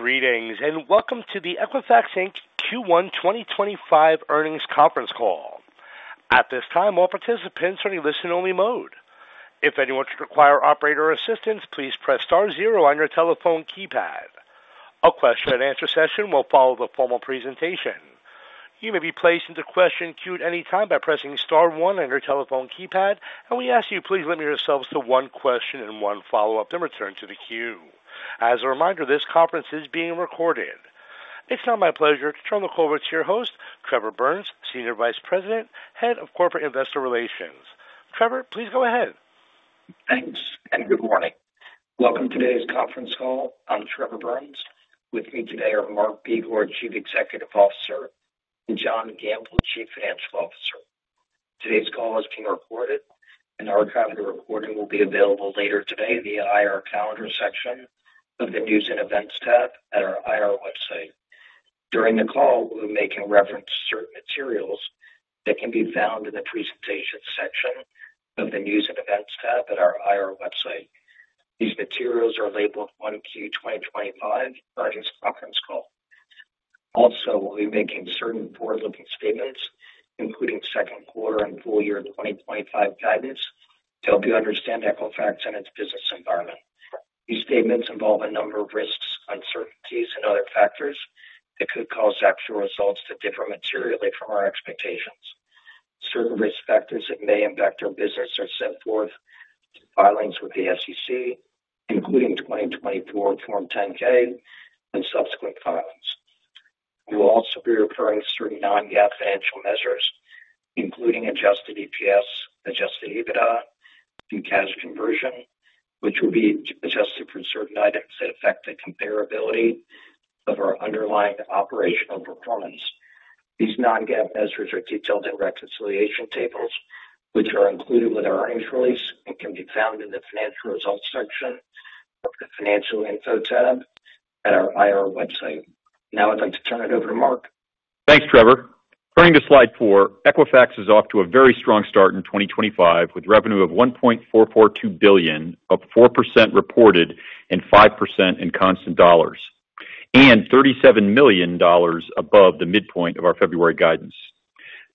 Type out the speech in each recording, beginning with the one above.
Greetings and welcome to the Equifax, Inc. Q1 2025 Earnings Conference Call. At this time, all participants are in listen-only mode. If anyone should require operator assistance, please press star zero on your telephone keyboard. A question-and-answer session will follow the formal presentation. You may be placed in the question queue at anytime by pressing star one on your telephone keyboard, and we ask you, please, to limit yourself to one question and one follow-up then return to the queue. As a reminder this conference is being recorded. It's now my pleasure to turn the call over to your host, Trevor Burns, Senior Vice President, Head of Corporate Investor Relations. Trevor, please go ahead. Thanks and good morning. Welcome to today's conference call. I'm Trevor Burns. With me today are Mark Begor, Chief Executive Officer, and John Gamble, Chief Financial Officer. Today's call is being recorded, and our recording will be available later today via IR calendar section of the News and Events tab at our IR website. During the call, we'll be making reference to certain materials that can be found in the presentation section of the News and Events tab at our IR website. These materials are labeled 1Q 2025 earnings conference call. Also, we'll be making certain forward-looking statements, including second quarter and full year 2025 guidance, to help you understand Equifax and its business environment. These statements involve a number of risks, uncertainties, and other factors that could cause actual results to differ materially from our expectations. Certain risk factors that may impact our business are set forth in filings with the SEC, including 2024 Form 10-K and subsequent filings. We will also be referring to certain non-GAAP financial measures, including adjusted EPS, adjusted EBITDA, and cash conversion, which will be adjusted for certain items that affect the comparability of our underlying operational performance. These non-GAAP measures are detailed in reconciliation tables, which are included with our earnings release and can be found in the financial results section of the financial info tab at our IR website. Now, I'd like to turn it over to Mark. Thanks, Trevor. Turning to slide four, Equifax is off to a very strong start in 2025 with revenue of $1.442 billion, up 4% reported and 5% in constant dollars, and $37 million above the midpoint of our February guidance.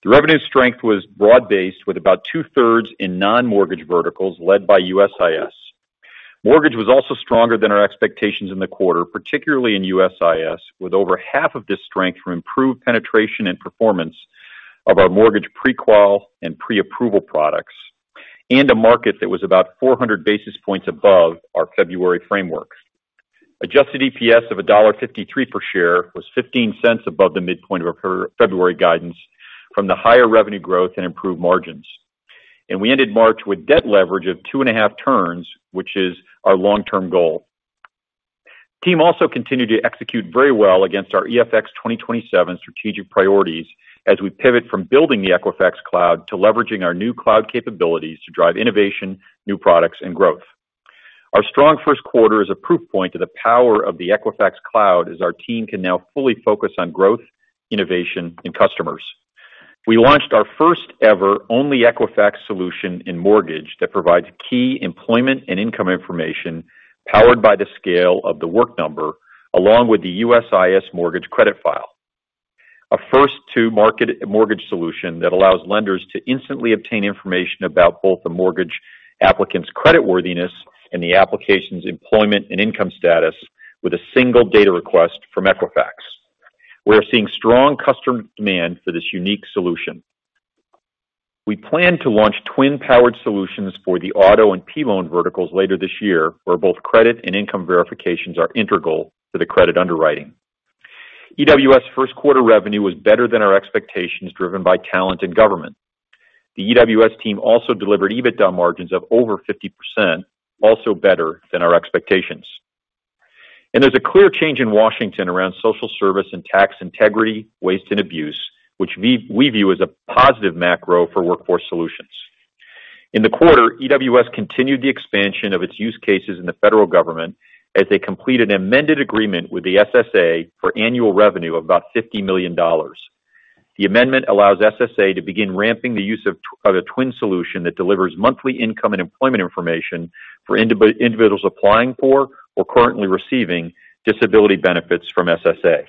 The revenue strength was broad-based, with about 2/3 in non-mortgage verticals led by USIS. Mortgage was also stronger than our expectations in the quarter, particularly in USIS, with over half of this strength from improved penetration and performance of our mortgage pre-qual and pre-approval products and a market that was about 400 basis points above our February framework. Adjusted EPS of $1.53 per share was $0.15 above the midpoint of our February guidance from the higher revenue growth and improved margins. We ended March with debt leverage of two and a half turns, which is our long-term goal. Team also continued to execute very well against our EFX 2027 strategic priorities as we pivot from building the Equifax Cloud to leveraging our new cloud capabilities to drive innovation, new products, and growth. Our strong first quarter is a proof point to the power of the Equifax Cloud as our team can now fully focus on growth, innovation, and customers. We launched our OnlyEquifax solution in mortgage that provides key employment and income information powered by the scale of The Work Number along with the USIS mortgage credit file. A first-to-market mortgage solution that allows lenders to instantly obtain information about both the mortgage applicant's creditworthiness and the application's employment and income status with a single data request from Equifax. We are seeing strong customer demand for this unique solution. We plan to launch TWN-powered solutions for the auto and P-loan verticals later this year where both credit and income verifications are integral to the credit underwriting. EWS first quarter revenue was better than our expectations driven by talent and government. The EWS team also delivered EBITDA margins of over 50%, also better than our expectations. There is a clear change in Washington, D.C. around social service and tax integrity, waste, and abuse, which we view as a positive macro for workforce solutions. In the quarter, EWS continued the expansion of its use cases in the federal government as they completed an amended agreement with the SSA for annual revenue of about $50 million. The amendment allows SSA to begin ramping the use of a TWN solution that delivers monthly income and employment information for individuals applying for or currently receiving disability benefits from SSA.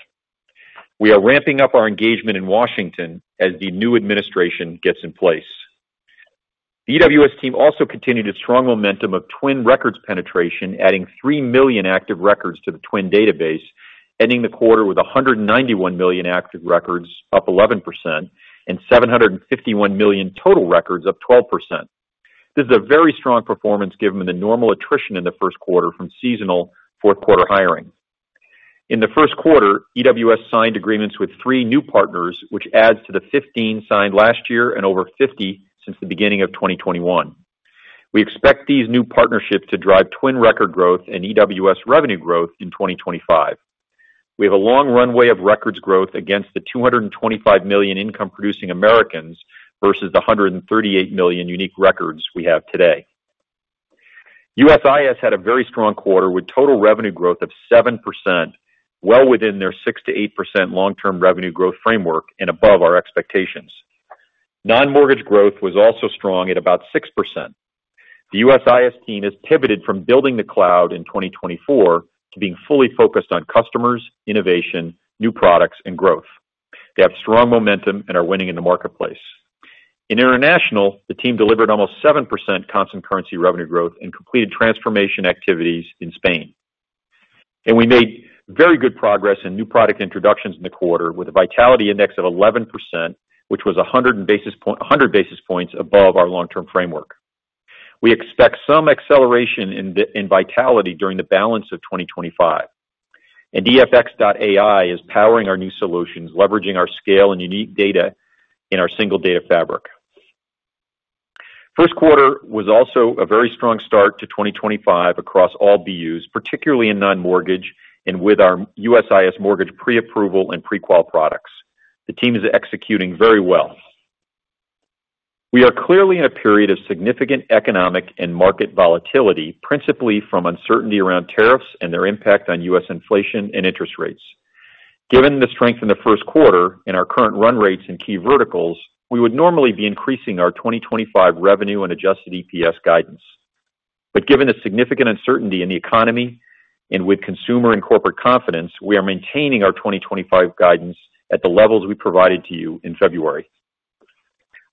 We are ramping up our engagement in Washington as the new administration gets in place. The EWS team also continued its strong momentum of TWN records penetration, adding 3 million active records to the TWN database, ending the quarter with 191 million active records, up 11%, and 751 million total records, up 12%. This is a very strong performance given the normal attrition in the first quarter from seasonal fourth quarter hiring. In the first quarter, EWS signed agreements with three new partners, which adds to the 15 signed last year and over 50 since the beginning of 2021. We expect these new partnerships to drive TWN record growth and EWS revenue growth in 2025. We have a long runway of records growth against the 225 million income-producing Americans versus the 138 million unique records we have today. USIS had a very strong quarter with total revenue growth of 7%, well within their 6-8% long-term revenue growth framework and above our expectations. Non-mortgage growth was also strong at about 6%. The USIS team has pivoted from building the cloud in 2024 to being fully focused on customers, innovation, new products, and growth. They have strong momentum and are winning in the marketplace. In international, the team delivered almost 7% constant currency revenue growth and completed transformation activities in Spain. We made very good progress in new product introductions in the quarter with a vitality index of 11%, which was 100 basis points above our long-term framework. We expect some acceleration in vitality during the balance of 2025. EFX.AI is powering our new solutions, leveraging our scale and unique data in our single data fabric. First quarter was also a very strong start to 2025 across all BUs, particularly in non-mortgage and with our USIS mortgage pre-approval and pre-qual products. The team is executing very well. We are clearly in a period of significant economic and market volatility, principally from uncertainty around tariffs and their impact on U.S. inflation and interest rates. Given the strength in the first quarter and our current run rates in key verticals, we would normally be increasing our 2025 revenue and adjusted EPS guidance. However, given the significant uncertainty in the economy and with consumer and corporate confidence, we are maintaining our 2025 guidance at the levels we provided to you in February.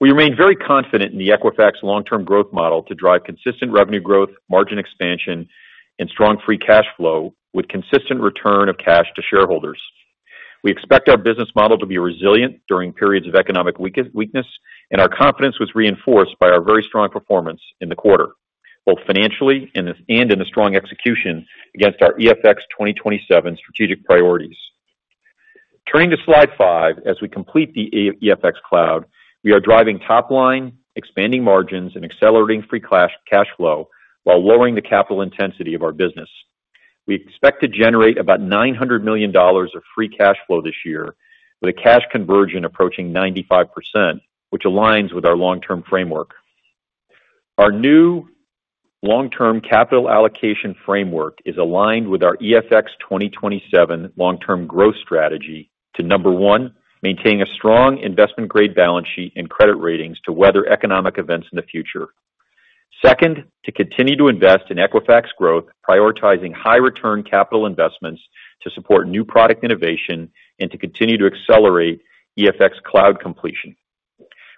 We remain very confident in the Equifax long-term growth model to drive consistent revenue growth, margin expansion, and strong free cash flow with consistent return of cash to shareholders. We expect our business model to be resilient during periods of economic weakness, and our confidence was reinforced by our very strong performance in the quarter, both financially and in the strong execution against our EFX 2027 strategic priorities. Turning to slide five, as we complete the EFX Cloud, we are driving top line, expanding margins, and accelerating free cash flow while lowering the capital intensity of our business. We expect to generate about $900 million of free cash flow this year, with a cash conversion approaching 95%, which aligns with our long-term framework. Our new long-term capital allocation framework is aligned with our EFX 2027 long-term growth strategy to, number one, maintain a strong investment-grade balance sheet and credit ratings to weather economic events in the future. Second, to continue to invest in Equifax growth, prioritizing high-return capital investments to support new product innovation and to continue to accelerate Equifax Cloud completion.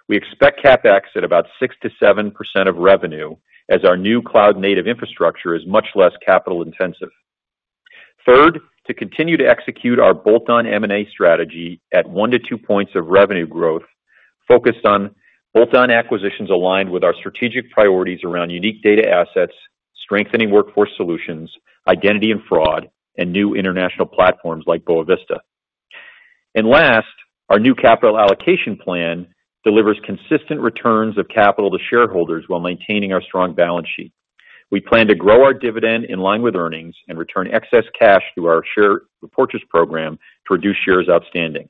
We expect CapEx at about 6-7% of revenue as our new cloud-native infrastructure is much less capital-intensive. Third, to continue to execute our bolt-on M&A strategy at one to two points of revenue growth, focused on bolt-on acquisitions aligned with our strategic priorities around unique data assets, strengthening workforce solutions, identity and fraud, and new international platforms like Boa Vista. Last, our new capital allocation plan delivers consistent returns of capital to shareholders while maintaining our strong balance sheet. We plan to grow our dividend in line with earnings and return excess cash through our share repurchase program to reduce shares outstanding.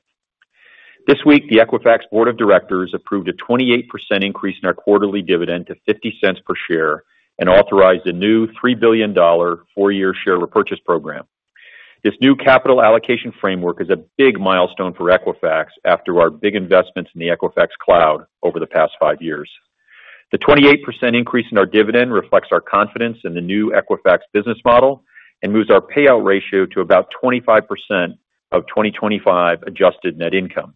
This week, the Equifax Board of Directors approved a 28% increase in our quarterly dividend to $0.50 per share and authorized a new $3 billion four-year share repurchase program. This new capital allocation framework is a big milestone for Equifax after our big investments in the Equifax Cloud over the past five years. The 28% increase in our dividend reflects our confidence in the new Equifax business model and moves our payout ratio to about 25% of 2025 adjusted net income.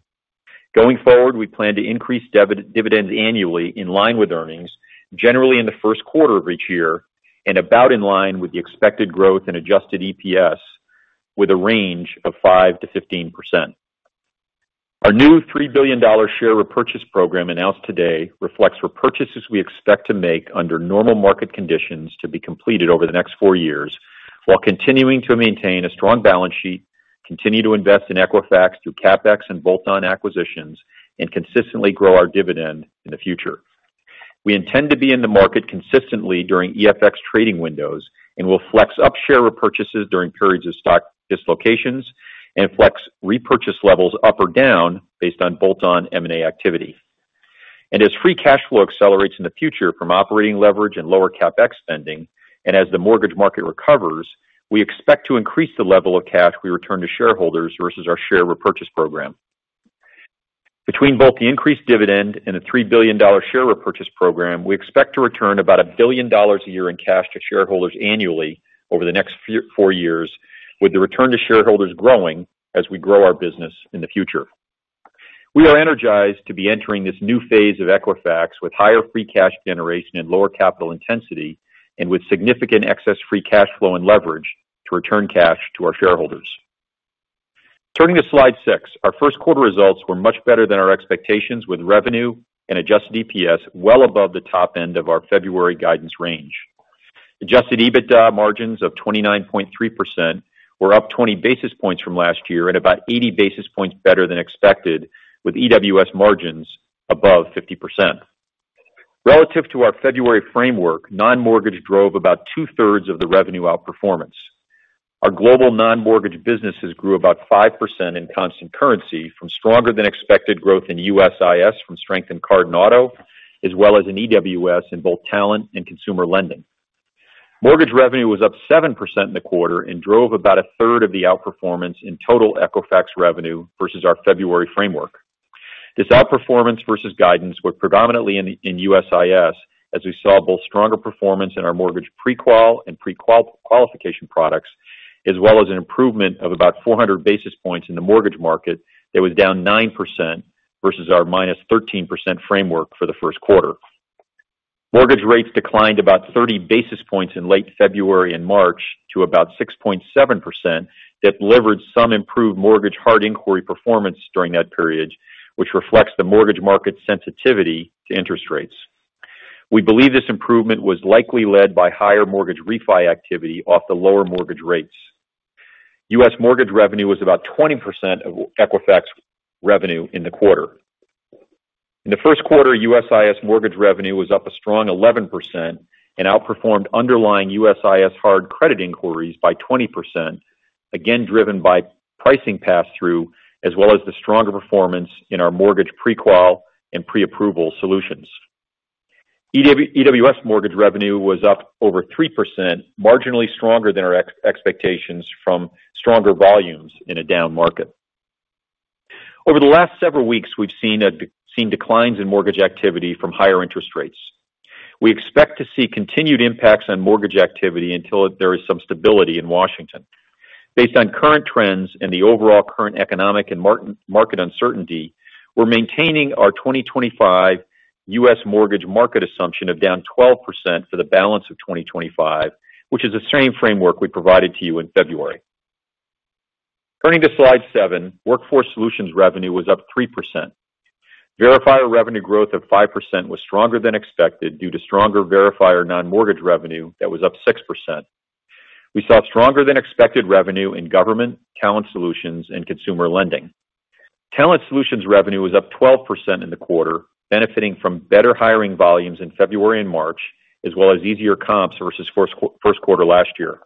Going forward, we plan to increase dividends annually in line with earnings, generally in the first quarter of each year, and about in line with the expected growth in adjusted EPS with a range of 5%-15%. Our new $3 billion share repurchase program announced today reflects repurchases we expect to make under normal market conditions to be completed over the next four years while continuing to maintain a strong balance sheet, continue to invest in Equifax through CapEx and bolt-on acquisitions, and consistently grow our dividend in the future. We intend to be in the market consistently during EFX trading windows and will flex up share repurchases during periods of stock dislocations and flex repurchase levels up or down based on bolt-on M&A activity. As free cash flow accelerates in the future from operating leverage and lower CapEx spending, and as the mortgage market recovers, we expect to increase the level of cash we return to shareholders versus our share repurchase program. Between both the increased dividend and the $3 billion share repurchase program, we expect to return about $1 billion a year in cash to shareholders annually over the next four years, with the return to shareholders growing as we grow our business in the future. We are energized to be entering this new phase of Equifax with higher free cash generation and lower capital intensity and with significant excess free cash flow and leverage to return cash to our shareholders. Turning to slide six, our first quarter results were much better than our expectations with revenue and adjusted EPS well above the top end of our February guidance range. Adjusted EBITDA margins of 29.3% were up 20 basis points from last year and about 80 basis points better than expected, with EWS margins above 50%. Relative to our February framework, non-mortgage drove about two-thirds of the revenue outperformance. Our global non-mortgage businesses grew about 5% in constant currency from stronger than expected growth in USIS from strength in card and auto, as well as in EWS and bolt talent and consumer lending. Mortgage revenue was up 7% in the quarter and drove about a third of the outperformance in total Equifax revenue versus our February framework. This outperformance versus guidance was predominantly in USIS as we saw both stronger performance in our mortgage pre-qual and pre-qualification products, as well as an improvement of about 400 basis points in the mortgage market that was down 9% versus our -13% framework for the first quarter. Mortgage rates declined about 30 basis points in late February and March to about 6.7% that delivered some improved mortgage hard inquiry performance during that period, which reflects the mortgage market sensitivity to interest rates. We believe this improvement was likely led by higher mortgage refi activity off the lower mortgage rates. U.S. mortgage revenue was about 20% of Equifax revenue in the quarter. In the first quarter, USIS mortgage revenue was up a strong 11% and outperformed underlying USIS hard credit inquiries by 20%, again driven by pricing pass-through as well as the stronger performance in our mortgage pre-qual and pre-approval solutions. EWS mortgage revenue was up over 3%, marginally stronger than our expectations from stronger volumes in a down market. Over the last several weeks, we've seen declines in mortgage activity from higher interest rates. We expect to see continued impacts on mortgage activity until there is some stability in Washington. Based on current trends and the overall current economic and market uncertainty, we're maintaining our 2025 U.S. mortgage market assumption of down 12% for the balance of 2025, which is the same framework we provided to you in February. Turning to slide seven, Workforce Solutions revenue was up 3%. Verifier revenue growth of 5% was stronger than expected due to stronger verifier non-mortgage revenue that was up 6%. We saw stronger than expected revenue in government, Talent Solutions, and consumer lending. Talent Solutions revenue was up 12% in the quarter, benefiting from better hiring volumes in February and March, as well as easier comps versus first quarter last year.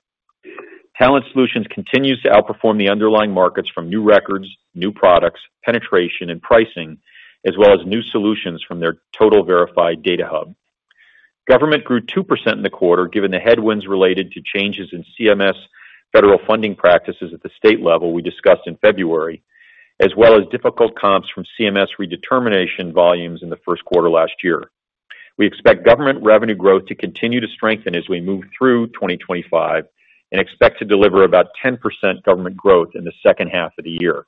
Talent Solutions continues to outperform the underlying markets from new records, new products, penetration, and pricing, as well as new solutions from their total verified data hub. Government grew 2% in the quarter given the headwinds related to changes in CMS federal funding practices at the state level we discussed in February, as well as difficult comps from CMS redetermination volumes in the first quarter last year. We expect government revenue growth to continue to strengthen as we move through 2025 and expect to deliver about 10% government growth in the second half of the year.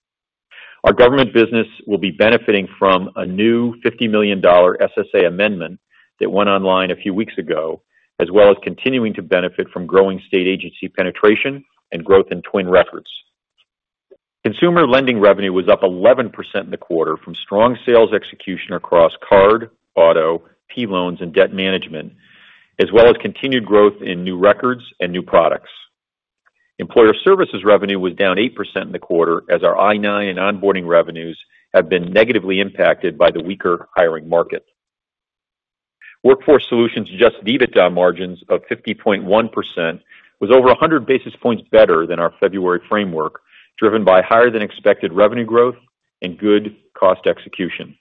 Our government business will be benefiting from a new $50 million SSA amendment that went online a few weeks ago, as well as continuing to benefit from growing state agency penetration and growth in TWN records. Consumer lending revenue was up 11% in the quarter from strong sales execution across card, auto, P-loans, and debt management, as well as continued growth in new records and new products. Employer services revenue was down 8% in the quarter as our I-9 and onboarding revenues have been negatively impacted by the weaker hiring market. Workforce solutions' adjusted EBITDA margins of 50.1% was over 100 basis points better than our February framework, driven by higher than expected revenue growth and good cost execution.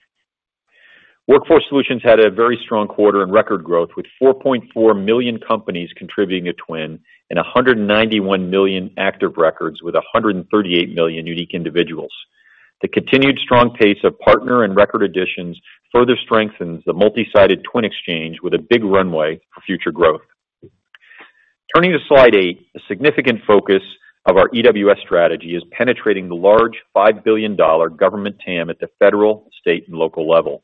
Workforce solutions had a very strong quarter in record growth with 4.4 million companies contributing to TWN and 191 million active records with 138 million unique individuals. The continued strong pace of partner and record additions further strengthens the multi-sided TWN exchange with a big runway for future growth. Turning to slide eight, a significant focus of our EWS strategy is penetrating the large $5 billion government TAM at the federal, state, and local level.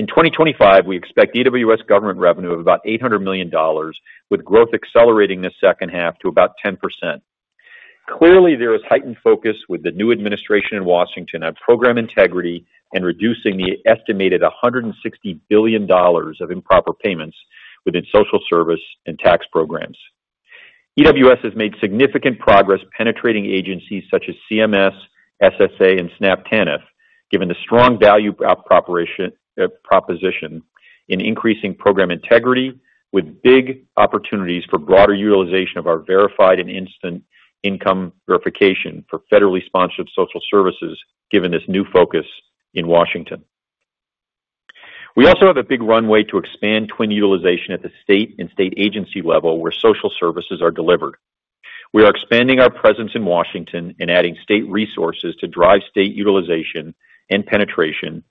In 2025, we expect EWS government revenue of about $800 million with growth accelerating this second half to about 10%. Clearly, there is heightened focus with the new administration in Washington on program integrity and reducing the estimated $160 billion of improper payments within social service and tax programs. EWS has made significant progress penetrating agencies such as CMS, SSA, and SNAP Tanf, given the strong value proposition in increasing program integrity with big opportunities for broader utilization of our verified and instant income verification for federally sponsored social services given this new focus in Washington. We also have a big runway to expand TWN utilization at the state and state agency level where social services are delivered. We are expanding our presence in Washington and adding state resources to drive state utilization and penetration,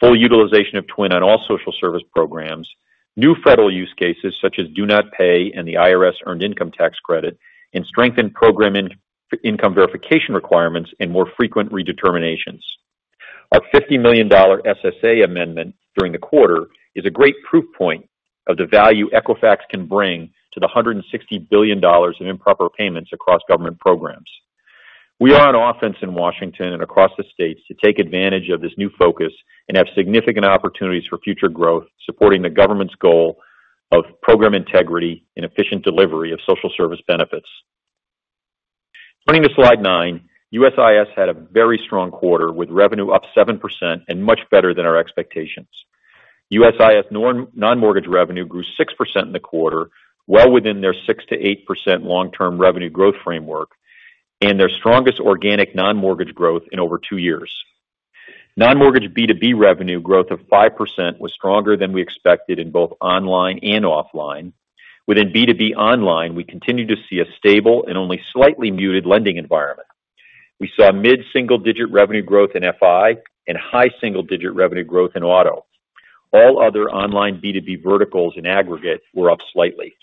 full utilization of TWN on all social service programs, new federal use cases such as Do Not Pay and the IRS Earned Income Tax Credit, and strengthened program income verification requirements and more frequent redeterminations. Our $50 million SSA amendment during the quarter is a great proof point of the value Equifax can bring to the $160 billion of improper payments across government programs. We are on offense in Washington and across the states to take advantage of this new focus and have significant opportunities for future growth supporting the government's goal of program integrity and efficient delivery of social service benefits. Turning to slide nine, USIS had a very strong quarter with revenue up 7% and much better than our expectations. USIS non-mortgage revenue grew 6% in the quarter, well within their 6-8% long-term revenue growth framework and their strongest organic non-mortgage growth in over two years. Non-mortgage B2B revenue growth of 5% was stronger than we expected in both online and offline. Within B2B online, we continue to see a stable and only slightly muted lending environment. We saw mid-single digit revenue growth in FI and high single digit revenue growth in auto. All other online B2B verticals in aggregate were up slightly.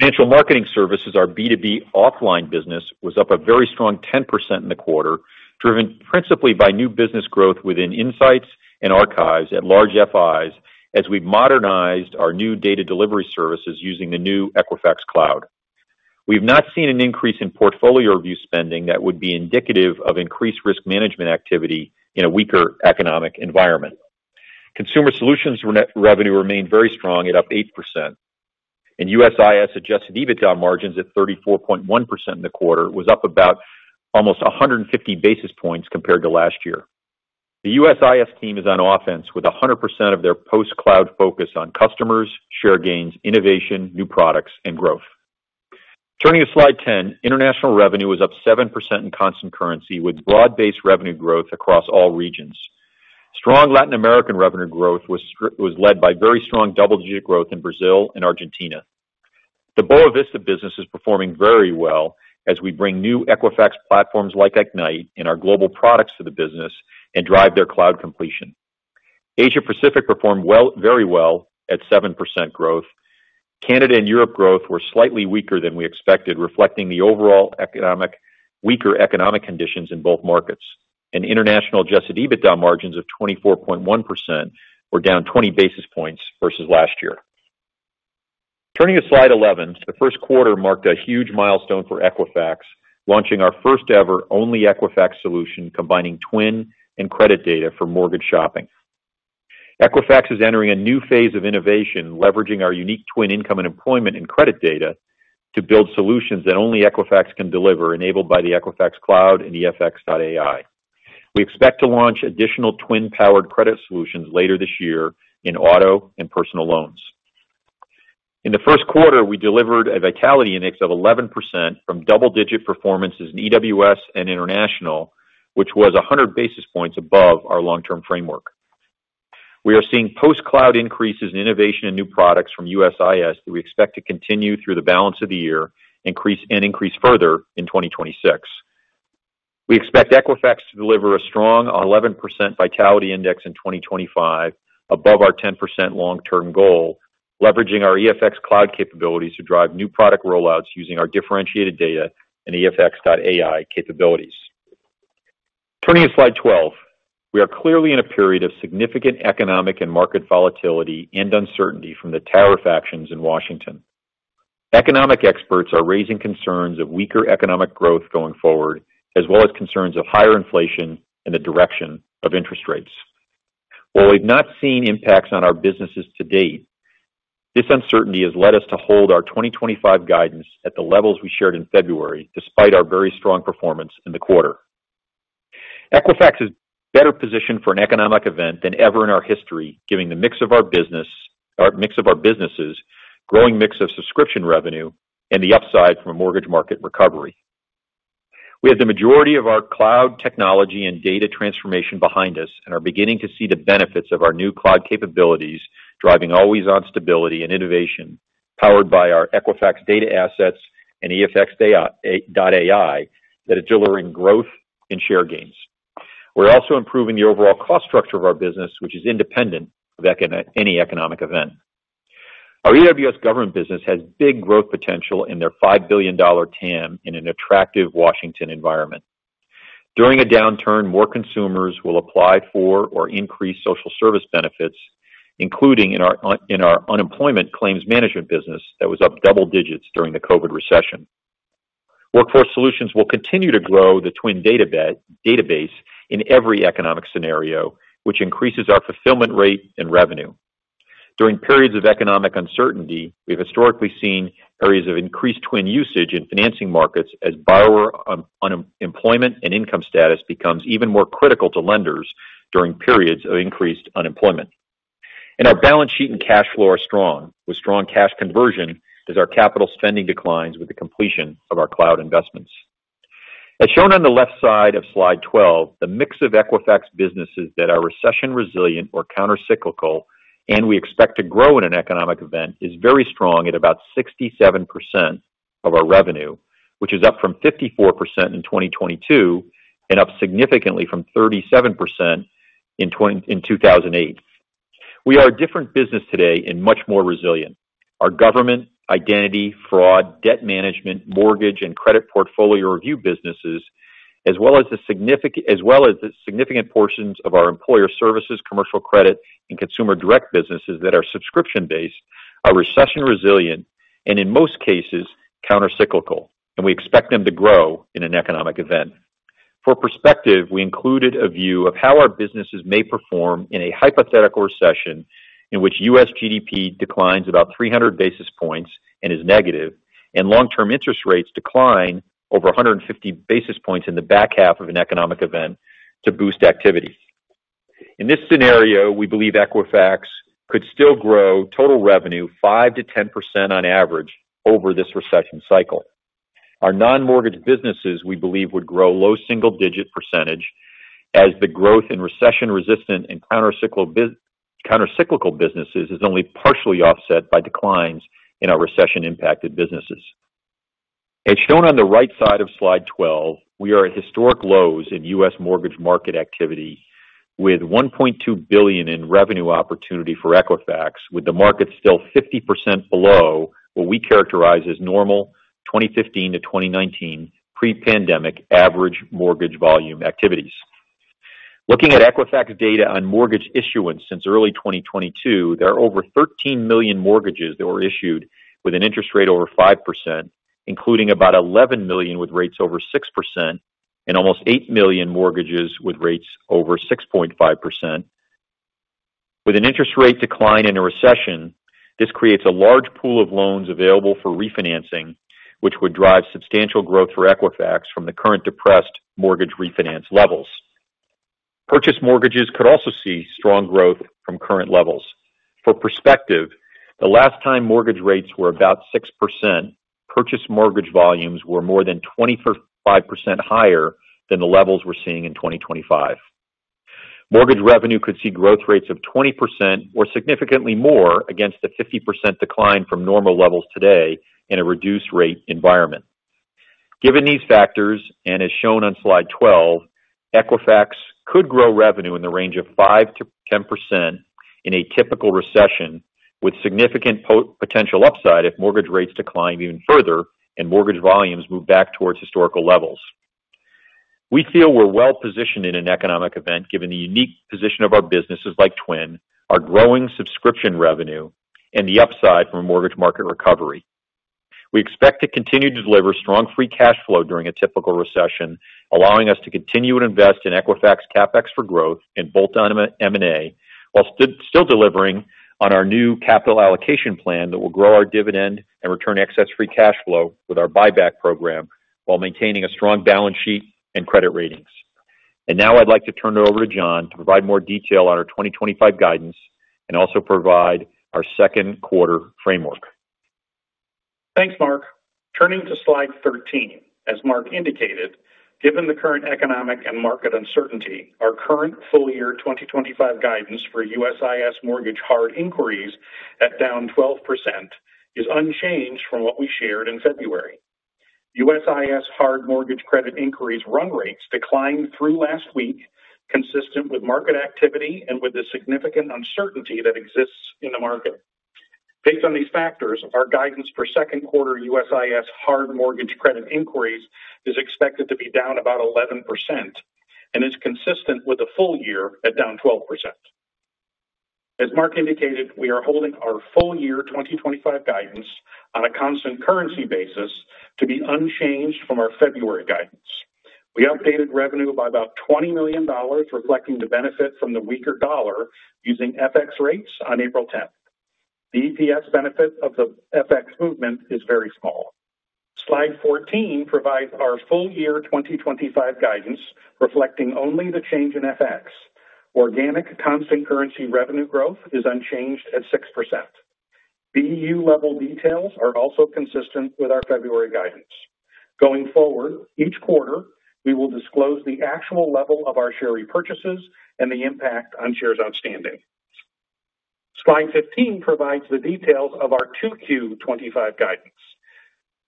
Financial marketing services, our B2B offline business, was up a very strong 10% in the quarter, driven principally by new business growth within Insights and Archives at large FIs as we modernized our new data delivery services using the new Equifax Cloud. We have not seen an increase in portfolio review spending that would be indicative of increased risk management activity in a weaker economic environment. Consumer solutions revenue remained very strong at up 8%. USIS adjusted EBITDA margins at 34.1% in the quarter was up about almost 150 basis points compared to last year. The USIS team is on offense with 100% of their post-cloud focus on customers, share gains, innovation, new products, and growth. Turning to slide 10, international revenue was up 7% in constant currency with broad-based revenue growth across all regions. Strong Latin American revenue growth was led by very strong double-digit growth in Brazil and Argentina. The Boa Vista business is performing very well as we bring new Equifax platforms like Ignite and our global products to the business and drive their cloud completion. Asia-Pacific performed very well at 7% growth. Canada and Europe growth were slightly weaker than we expected, reflecting the overall weaker economic conditions in both markets. International adjusted EBITDA margins of 24.1% were down 20 basis points versus last year. Turning to slide 11, the first quarter marked a huge milestone for Equifax, launching our OnlyEquifax solution combining TWN and credit data for mortgage shopping. Equifax is entering a new phase of innovation, leveraging our unique TWN income and employment and credit data to build solutions that only Equifax can deliver, enabled by the Equifax Cloud and EFX.AI. We expect to launch additional TWN-powered credit solutions later this year in auto and personal loans. In the first quarter, we delivered a vitality index of 11% from double-digit performances in EWS and international, which was 100 basis points above our long-term framework. We are seeing post-cloud increases in innovation and new products from USIS that we expect to continue through the balance of the year and increase further in 2026. We expect Equifax to deliver a strong 11% vitality index in 2025 above our 10% long-term goal, leveraging our Equifax Cloud capabilities to drive new product rollouts using our differentiated data and EFX.AI capabilities. Turning to slide 12, we are clearly in a period of significant economic and market volatility and uncertainty from the tariff actions in Washington. Economic experts are raising concerns of weaker economic growth going forward, as well as concerns of higher inflation and the direction of interest rates. While we've not seen impacts on our businesses to date, this uncertainty has led us to hold our 2025 guidance at the levels we shared in February, despite our very strong performance in the quarter. Equifax is better positioned for an economic event than ever in our history, given the mix of our businesses, growing mix of subscription revenue, and the upside from a mortgage market recovery. We have the majority of our cloud technology and data transformation behind us and are beginning to see the benefits of our new cloud capabilities driving always-on stability and innovation powered by our Equifax data assets and EFX.AI that are delivering growth and share gains. We're also improving the overall cost structure of our business, which is independent of any economic event. Our EWS government business has big growth potential in their $5 billion TAM in an attractive Washington environment. During a downturn, more consumers will apply for or increase social service benefits, including in our unemployment claims management business that was up double digits during the COVID recession. Workforce Solutions will continue to grow the TWN database in every economic scenario, which increases our fulfillment rate and revenue. During periods of economic uncertainty, we've historically seen areas of increased TWN usage in financing markets as borrower unemployment and income status becomes even more critical to lenders during periods of increased unemployment. Our balance sheet and cash flow are strong, with strong cash conversion as our capital spending declines with the completion of our cloud investments. As shown on the left side of slide 12, the mix of Equifax businesses that are recession resilient or countercyclical, and we expect to grow in an economic event, is very strong at about 67% of our revenue, which is up from 54% in 2022 and up significantly from 37% in 2008. We are a different business today and much more resilient. Our government, identity, fraud, debt management, mortgage, and credit portfolio review businesses, as well as the significant portions of our employer services, commercial credit, and consumer direct businesses that are subscription-based, are recession resilient and, in most cases, countercyclical, and we expect them to grow in an economic event. For perspective, we included a view of how our businesses may perform in a hypothetical recession in which U.S. GDP declines about 300 basis points and is negative, and long-term interest rates decline over 150 basis points in the back half of an economic event to boost activity. In this scenario, we believe Equifax could still grow total revenue 5%-10% on average over this recession cycle. Our non-mortgage businesses, we believe, would grow low single digit percentage as the growth in recession-resistant and countercyclical businesses is only partially offset by declines in our recession-impacted businesses. As shown on the right side of slide 12, we are at historic lows in U.S. mortgage market activity with $1.2 billion in revenue opportunity for Equifax, with the market still 50% below what we characterize as normal 2015 -2019 pre-pandemic average mortgage volume activities. Looking at Equifax data on mortgage issuance since early 2022, there are over 13 million mortgages that were issued with an interest rate over 5%, including about 11 million with rates over 6% and almost 8 million mortgages with rates over 6.5%. With an interest rate decline in a recession, this creates a large pool of loans available for refinancing, which would drive substantial growth for Equifax from the current depressed mortgage refinance levels. Purchase mortgages could also see strong growth from current levels. For perspective, the last time mortgage rates were about 6%, purchase mortgage volumes were more than 25% higher than the levels we're seeing in 2025. Mortgage revenue could see growth rates of 20% or significantly more against the 50% decline from normal levels today in a reduced rate environment. Given these factors, and as shown on slide 12, Equifax could grow revenue in the range of 5-10% in a typical recession, with significant potential upside if mortgage rates decline even further and mortgage volumes move back towards historical levels. We feel we're well positioned in an economic event given the unique position of our businesses like TWN, our growing subscription revenue, and the upside from a mortgage market recovery. We expect to continue to deliver strong free cash flow during a typical recession, allowing us to continue to invest in Equifax CapEx for growth and bolt-on M&A while still delivering on our new capital allocation plan that will grow our dividend and return excess free cash flow with our buyback program while maintaining a strong balance sheet and credit ratings. I'd like to turn it over to John to provide more detail on our 2025 guidance and also provide our second quarter framework. Thanks, Mark. Turning to slide 13, as Mark indicated, given the current economic and market uncertainty, our current full year 2025 guidance for USIS mortgage hard inquiries at down 12% is unchanged from what we shared in February. USIS hard mortgage credit inquiries run rates declined through last week, consistent with market activity and with the significant uncertainty that exists in the market. Based on these factors, our guidance for second quarter USIS hard mortgage credit inquiries is expected to be down about 11% and is consistent with the full year at down 12%. As Mark indicated, we are holding our full year 2025 guidance on a constant currency basis to be unchanged from our February guidance. We updated revenue by about $20 million, reflecting the benefit from the weaker dollar using FX rates on April 10th. The EPS benefit of the FX movement is very small. Slide 14 provides our full year 2025 guidance, reflecting only the change in FX. Organic constant currency revenue growth is unchanged at 6%. BU level details are also consistent with our February guidance. Going forward, each quarter, we will disclose the actual level of our share repurchases and the impact on shares outstanding. Slide 15 provides the details of our 2Q25 guidance.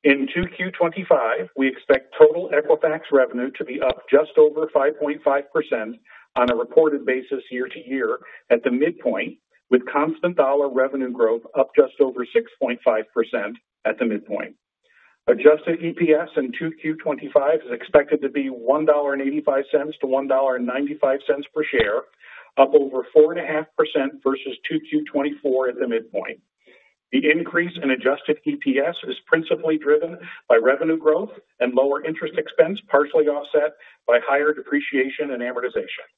In 2Q 2025, we expect total Equifax revenue to be up just over 5.5% on a reported basis year-to-year at the midpoint, with constant dollar revenue growth up just over 6.5% at the midpoint. Adjusted EPS in 2Q 2025 is expected to be $1.85-$1.95 per share, up over 4.5% versus 2Q 2024 at the midpoint. The increase in adjusted EPS is principally driven by revenue growth and lower interest expense, partially offset by higher depreciation and amortization.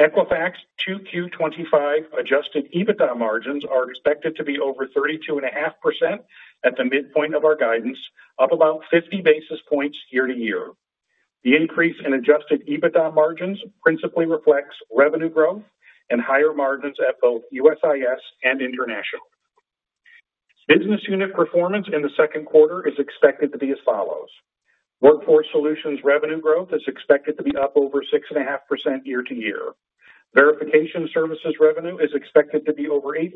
Equifax 2Q 2025 adjusted EBITDA margins are expected to be over 32.5% at the midpoint of our guidance, up about 50 basis points year-to-year. The increase in adjusted EBITDA margins principally reflects revenue growth and higher margins at both USIS and international. Business unit performance in the second quarter is expected to be as follows. Workforce Solutions revenue growth is expected to be up over 6.5% year-to-year. Verification services revenue is expected to be over 8%.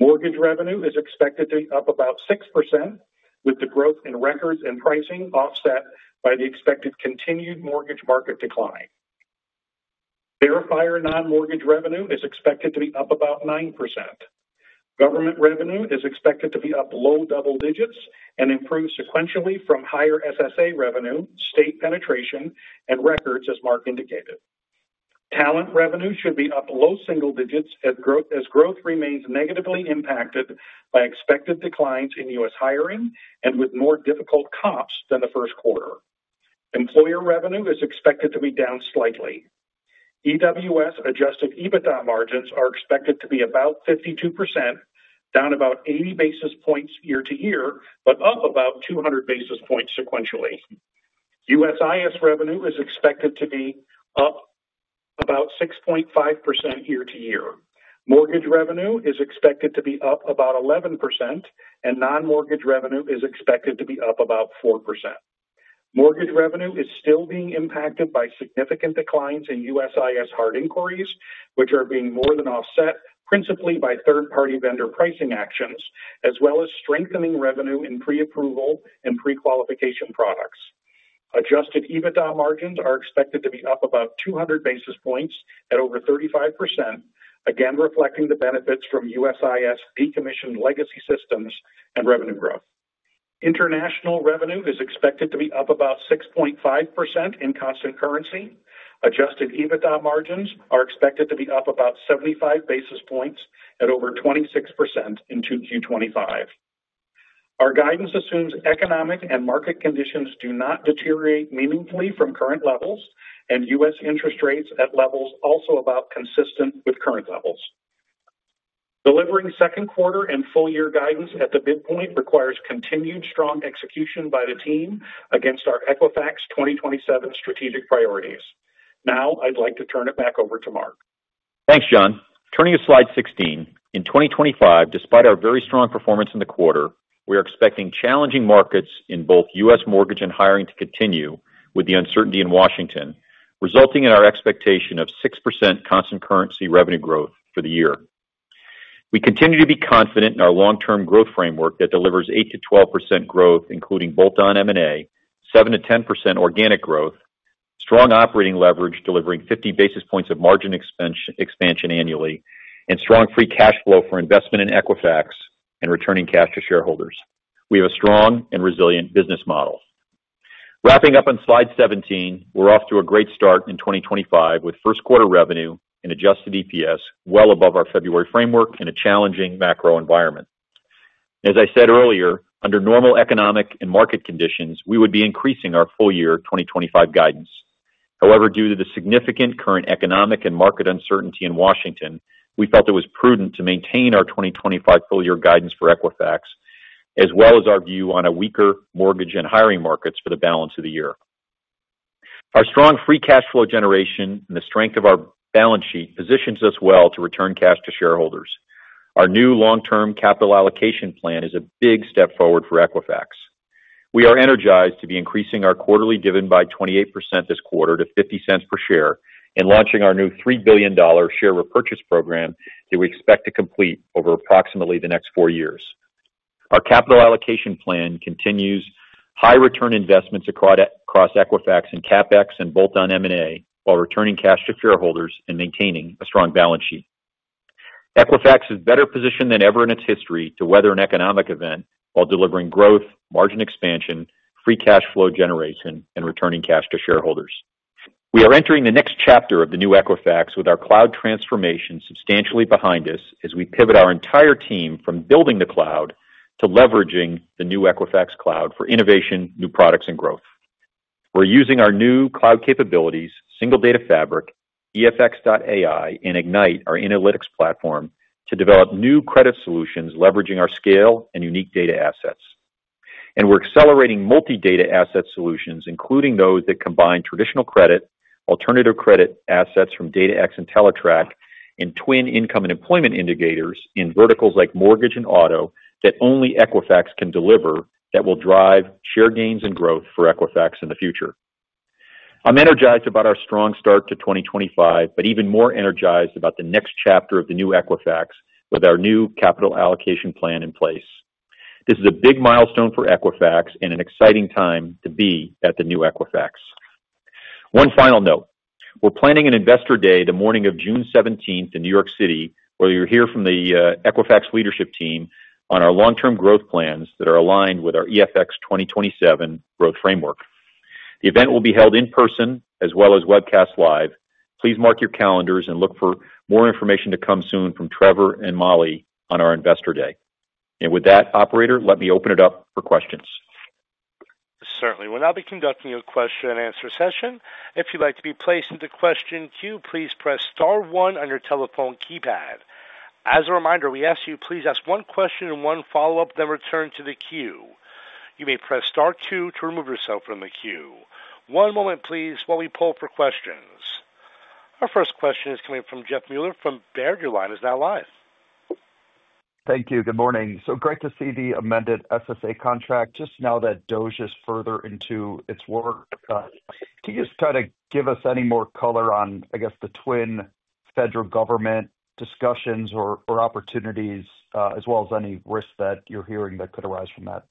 Mortgage revenue is expected to be up about 6%, with the growth in records and pricing offset by the expected continued mortgage market decline. Verifier non-mortgage revenue is expected to be up about 9%. Government revenue is expected to be up low double digits and improve sequentially from higher SSA revenue, state penetration, and records, as Mark indicated. Talent revenue should be up low single digits as growth remains negatively impacted by expected declines in U.S. hiring and with more difficult COPs than the first quarter. Employer revenue is expected to be down slightly. EWS adjusted EBITDA margins are expected to be about 52%, down about 80 basis points year-to-year, but up about 200 basis points sequentially. USIS revenue is expected to be up about 6.5% year-to-year. Mortgage revenue is expected to be up about 11%, and non-mortgage revenue is expected to be up about 4%. Mortgage revenue is still being impacted by significant declines in USIS hard inquiries, which are being more than offset principally by third-party vendor pricing actions, as well as strengthening revenue in pre-approval and pre-qualification products. Adjusted EBITDA margins are expected to be up about 200 basis points at over 35%, again reflecting the benefits from USIS decommissioned legacy systems and revenue growth. International revenue is expected to be up about 6.5% in constant currency. Adjusted EBITDA margins are expected to be up about 75 basis points at over 26% in 2Q25. Our guidance assumes economic and market conditions do not deteriorate meaningfully from current levels, and US interest rates at levels also about consistent with current levels. Delivering second quarter and full year guidance at the midpoint requires continued strong execution by the team against our Equifax 2027 strategic priorities. Now I'd like to turn it back over to Mark. Thanks, John. Turning to slide 16, in 2025, despite our very strong performance in the quarter, we are expecting challenging markets in both U.S. mortgage and hiring to continue with the uncertainty in Washington, resulting in our expectation of 6% constant currency revenue growth for the year. We continue to be confident in our long-term growth framework that delivers 8%-12% growth, including bolt-on M&A, 7%-10% organic growth, strong operating leverage delivering 50 basis points of margin expansion annually, and strong free cash flow for investment in Equifax and returning cash to shareholders. We have a strong and resilient business model. Wrapping up on slide 17, we're off to a great start in 2025 with first quarter revenue and adjusted EPS well above our February framework in a challenging macro environment. As I said earlier, under normal economic and market conditions, we would be increasing our full year 2025 guidance. However, due to the significant current economic and market uncertainty in Washington, we felt it was prudent to maintain our 2025 full year guidance for Equifax, as well as our view on a weaker mortgage and hiring markets for the balance of the year. Our strong free cash flow generation and the strength of our balance sheet positions us well to return cash to shareholders. Our new long-term capital allocation plan is a big step forward for Equifax. We are energized to be increasing our quarterly dividend by 28% this quarter to $0.50 per share and launching our new $3 billion share repurchase program that we expect to complete over approximately the next four years. Our capital allocation plan continues high return investments across Equifax and CapEx and bolt-on M&A while returning cash to shareholders and maintaining a strong balance sheet. Equifax is better positioned than ever in its history to weather an economic event while delivering growth, margin expansion, free cash flow generation, and returning cash to shareholders. We are entering the next chapter of the new Equifax with our cloud transformation substantially behind us as we pivot our entire team from building the cloud to leveraging the new Equifax Cloud for innovation, new products, and growth. We're using our new cloud capabilities, Single Data Fabric, EFX.AI, and Ignite, our analytics platform, to develop new credit solutions leveraging our scale and unique data assets. We're accelerating multi-data asset solutions, including those that combine traditional credit, alternative credit assets from DataX and Teletrack, and TWN income and employment indicators in verticals like mortgage and auto that only Equifax can deliver that will drive share gains and growth for Equifax in the future. I'm energized about our strong start to 2025, but even more energized about the next chapter of the new Equifax with our new capital allocation plan in place. This is a big milestone for Equifax and an exciting time to be at the new Equifax. One final note, we're planning an investor day the morning of June 17 in New York City, where you'll hear from the Equifax leadership team on our long-term growth plans that are aligned with our EFX 2027 growth framework. The event will be held in person as well as webcast live. Please mark your calendars and look for more information to come soon from Trevor and Molly on our investor day. With that, Operator, let me open it up for questions. Certainly. We'll now be conducting a question and answer session. If you'd like to be placed into question queue, please press star one on your telephone keypad. As a reminder, we ask you to please ask one question and one follow-up, then return to the queue. You may press star two to remove yourself from the queue. One moment, please, while we pull for questions. Our first question is coming from Jeff Meuler from Baird. Your line is now live. Thank you. Good morning. Great to see the amended SSA contract just now that DOGE is further into its work. Can you just kind of give us any more color on, I guess, the TWN federal government discussions or opportunities, as well as any risks that you're hearing that could arise from that?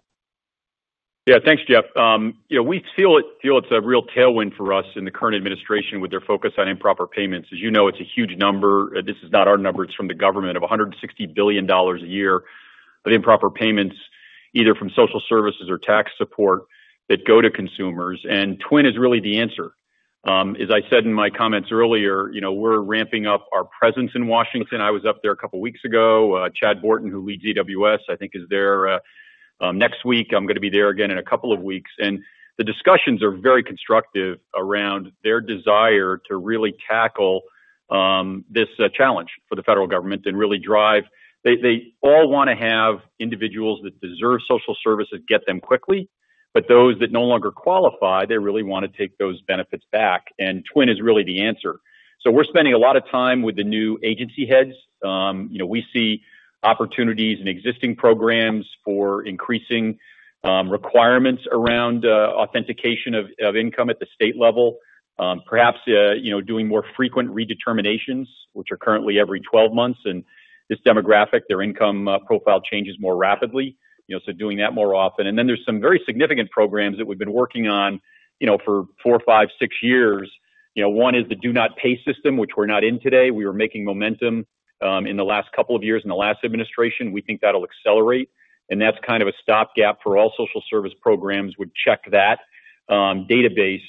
Yeah, thanks, Jeff. We feel it's a real tailwind for us in the current administration with their focus on improper payments. As you know, it's a huge number. This is not our number. It's from the government of $160 billion a year of improper payments, either from social services or tax support, that go to consumers. And TWN is really the answer. As I said in my comments earlier, we're ramping up our presence in Washington. I was up there a couple of weeks ago. Chad Borton, who leads EWS, I think is there next week. I'm going to be there again in a couple of weeks. The discussions are very constructive around their desire to really tackle this challenge for the federal government and really drive. They all want to have individuals that deserve social services get them quickly, but those that no longer qualify, they really want to take those benefits back. TWN is really the answer. We are spending a lot of time with the new agency heads. We see opportunities in existing programs for increasing requirements around authentication of income at the state level, perhaps doing more frequent redeterminations, which are currently every 12 months. This demographic, their income profile changes more rapidly, so doing that more often. There are some very significant programs that we've been working on for four, five, six years. One is the do-not-pay system, which we're not in today. We were making momentum in the last couple of years in the last administration. We think that'll accelerate. That is kind of a stopgap for all social service programs. We'd check that database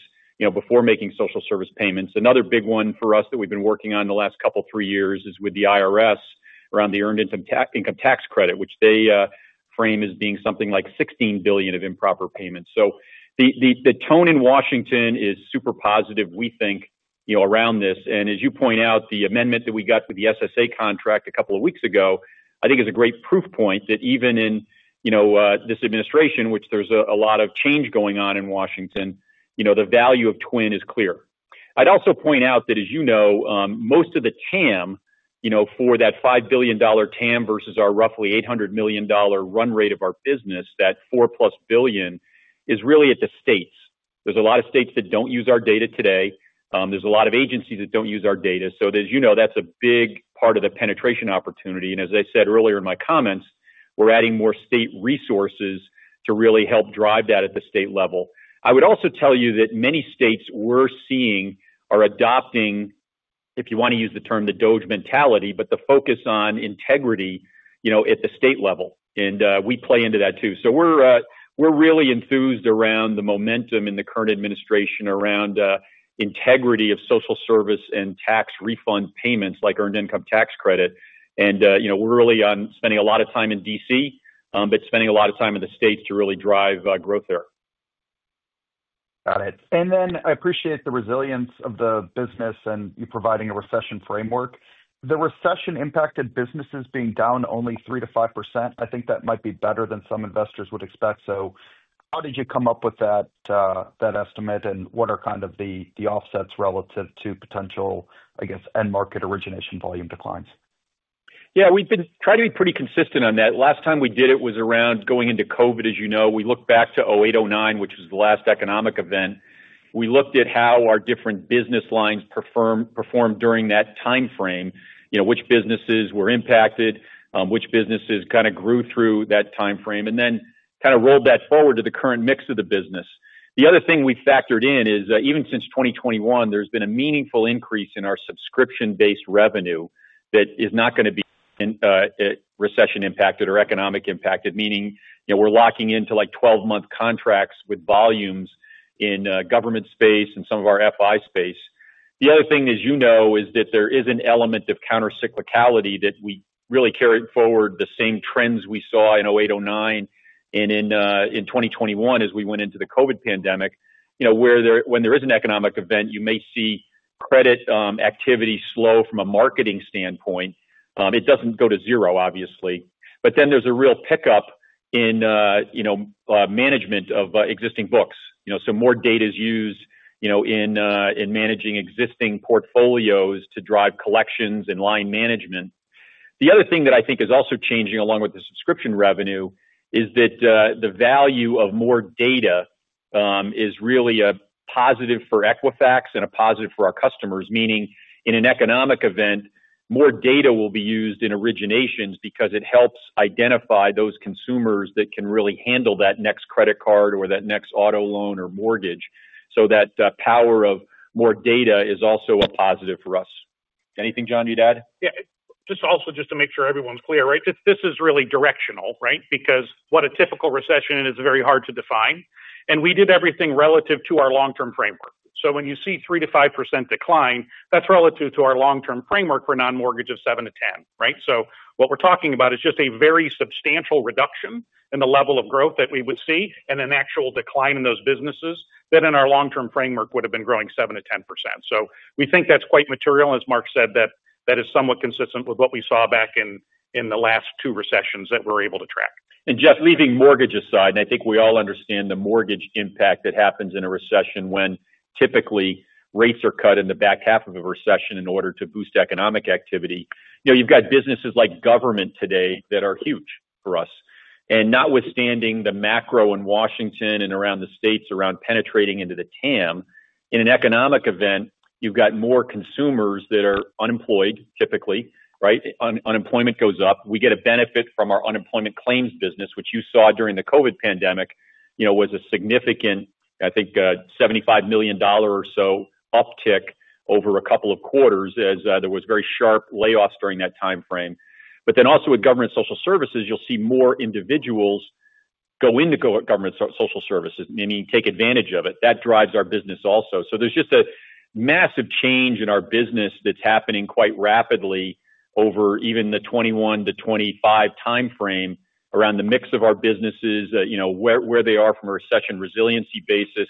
before making social service payments. Another big one for us that we've been working on the last couple of three years is with the IRS around the earned income tax credit, which they frame as being something like $16 billion of improper payments. The tone in Washington is super positive, we think, around this. As you point out, the amendment that we got with the SSA contract a couple of weeks ago, I think, is a great proof point that even in this administration, which there's a lot of change going on in Washington, the value of TWN is clear. I would also point out that, as you know, most of the TAM for that $5 billion TAM versus our roughly $800 million run rate of our business, that $4 billion+, is really at the states. There are a lot of states that do not use our data today. There are a lot of agencies that do not use our data. As you know, that is a big part of the penetration opportunity. As I said earlier in my comments, we are adding more state resources to really help drive that at the state level. I would also tell you that many states we're seeing are adopting, if you want to use the term, the DOGE mentality, but the focus on integrity at the state level. We play into that too. We are really enthused around the momentum in the current administration around integrity of social service and tax refund payments like earned income tax credit. We are really spending a lot of time in D.C., but spending a lot of time in the states to really drive growth there. Got it. I appreciate the resilience of the business and you providing a recession framework. The recession impacted businesses being down only 3%-5%. I think that might be better than some investors would expect. How did you come up with that estimate? What are kind of the offsets relative to potential, I guess, end market origination volume declines? Yeah, we've been trying to be pretty consistent on that. Last time we did it was around going into COVID, as you know. We looked back to 2008/2009, which was the last economic event. We looked at how our different business lines performed during that timeframe, which businesses were impacted, which businesses kind of grew through that timeframe, and then kind of rolled that forward to the current mix of the business. The other thing we factored in is, even since 2021, there's been a meaningful increase in our subscription-based revenue that is not going to be recession impacted or economic impacted, meaning we're locking into like 12-month contracts with volumes in government space and some of our FI space. The other thing, as you know, is that there is an element of countercyclicality that we really carried forward the same trends we saw in 2008/2009 and in 2021 as we went into the COVID pandemic, where when there is an economic event, you may see credit activity slow from a marketing standpoint. It does not go to zero, obviously. There is a real pickup in management of existing books. More data is used in managing existing portfolios to drive collections and line management. The other thing that I think is also changing along with the subscription revenue is that the value of more data is really a positive for Equifax and a positive for our customers, meaning in an economic event, more data will be used in originations because it helps identify those consumers that can really handle that next credit card or that next auto loan or mortgage. That power of more data is also a positive for us. Anything, John, you'd add? Yeah. Just also just to make sure everyone's clear, right? This is really directional, right? Because what a typical recession is very hard to define. We did everything relative to our long-term framework. When you see 3%-5% decline, that's relative to our long-term framework for non-mortgage of 7%-10%, right? What we're talking about is just a very substantial reduction in the level of growth that we would see and an actual decline in those businesses that in our long-term framework would have been growing 7-10%. We think that's quite material, as Mark said, that is somewhat consistent with what we saw back in the last two recessions that we're able to track. Jeff, leaving mortgage aside, and I think we all understand the mortgage impact that happens in a recession when typically rates are cut in the back half of a recession in order to boost economic activity. You've got businesses like government today that are huge for us. Notwithstanding the macro in Washington and around the states around penetrating into the TAM, in an economic event, you've got more consumers that are unemployed, typically, right? Unemployment goes up. We get a benefit from our unemployment claims business, which you saw during the COVID pandemic, was a significant, I think, $75 million or so uptick over a couple of quarters as there was very sharp layoffs during that timeframe. Also with government social services, you'll see more individuals go into government social services, meaning take advantage of it. That drives our business also. There is just a massive change in our business that's happening quite rapidly over even the 2021-2025 timeframe around the mix of our businesses, where they are from a recession resiliency basis.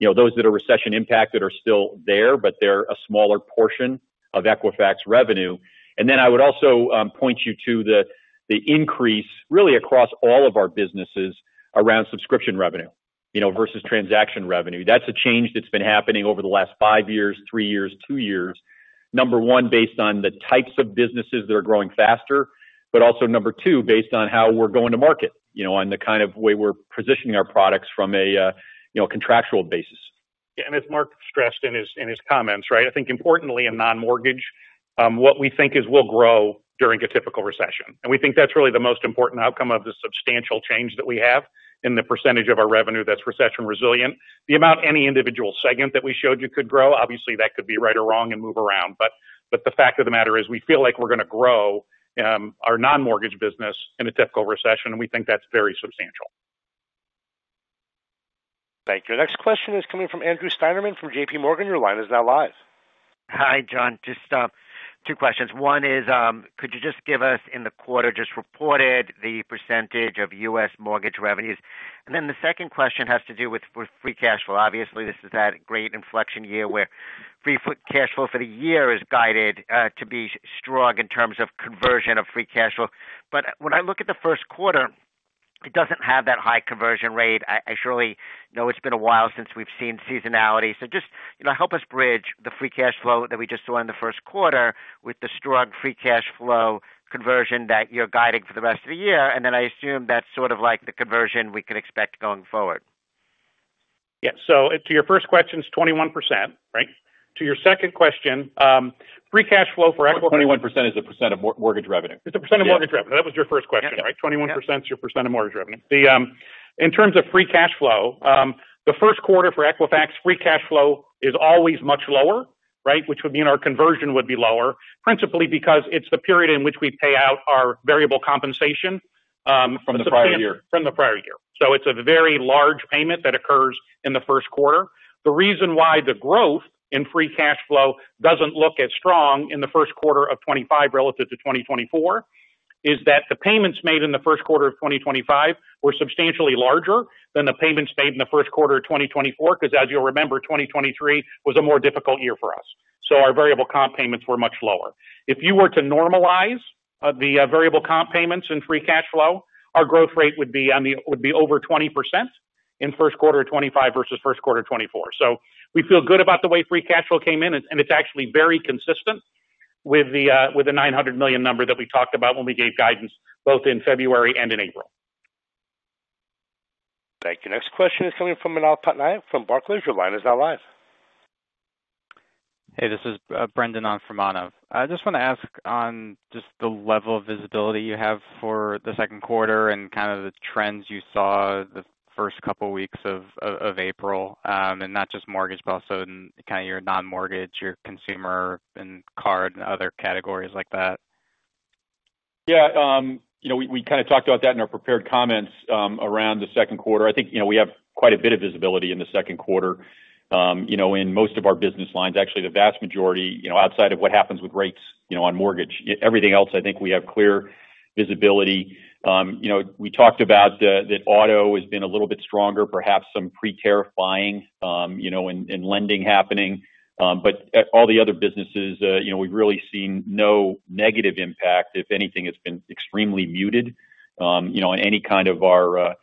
Those that are recession impacted are still there, but they're a smaller portion of Equifax revenue. I would also point you to the increase really across all of our businesses around subscription revenue versus transaction revenue. That's a change that's been happening over the last five years, three years, two years. Number one, based on the types of businesses that are growing faster, but also number two, based on how we're going to market on the kind of way we're positioning our products from a contractual basis. Yeah. As Mark scratched in his comments, right? I think importantly in non-mortgage, what we think is we'll grow during a typical recession. We think that's really the most important outcome of the substantial change that we have in the percentage of our revenue that's recession resilient. The amount any individual segment that we showed you could grow, obviously that could be right or wrong and move around. The fact of the matter is we feel like we're going to grow our non-mortgage business in a typical recession, and we think that's very substantial. Thank you. Next question is coming from Andrew Steinerman from JP Morgan. Your line is now live. Hi, John. Just two questions. One is, could you just give us in the quarter just reported the percentage of U.S. mortgage revenues? The second question has to do with free cash flow. Obviously, this is that great inflection year where free cash flow for the year is guided to be strong in terms of conversion of free cash flow. When I look at the first quarter, it does not have that high conversion rate. I surely know it has been a while since we have seen seasonality. Just help us bridge the free cash flow that we just saw in the first quarter with the strong free cash flow conversion that you are guiding for the rest of the year. I assume that's sort of like the conversion we can expect going forward. Yeah. To your first question, it's 21%, right? To your second question, free cash flow for Equifax. 21% is the percent of mortgage revenue. It's the percent of mortgage revenue. That was your first question, right? 21% is your percent of mortgage revenue. In terms of free cash flow, the first quarter for Equifax, free cash flow is always much lower, right? Which would mean our conversion would be lower, principally because it's the period in which we pay out our variable compensation. From the prior year. From the prior year. It's a very large payment that occurs in the first quarter. The reason why the growth in free cash flow doesn't look as strong in the first quarter of 2025 relative to 2024 is that the payments made in the first quarter of 2025 were substantially larger than the payments made in the first quarter of 2024 because, as you'll remember, 2023 was a more difficult year for us. So our variable comp payments were much lower. If you were to normalize the variable comp payments in free cash flow, our growth rate would be over 20% in first quarter of 2025 versus first quarter of 2024. We feel good about the way free cash flow came in, and it's actually very consistent with the $900 million number that we talked about when we gave guidance both in February and in April. Thank you. Next question is coming from Manav Patnaik from Barclays. Your line is now live. Hey, this is Brendan on Manav. I just want to ask on just the level of visibility you have for the second quarter and kind of the trends you saw the first couple of weeks of April, and not just mortgage, but also kind of your non-mortgage, your consumer, and card, and other categories like that. Yeah. We kind of talked about that in our prepared comments around the second quarter. I think we have quite a bit of visibility in the second quarter in most of our business lines. Actually, the vast majority outside of what happens with rates on mortgage, everything else, I think we have clear visibility. We talked about that auto has been a little bit stronger, perhaps some pre-terrifying in lending happening. All the other businesses, we've really seen no negative impact. If anything, it's been extremely muted in any kind of our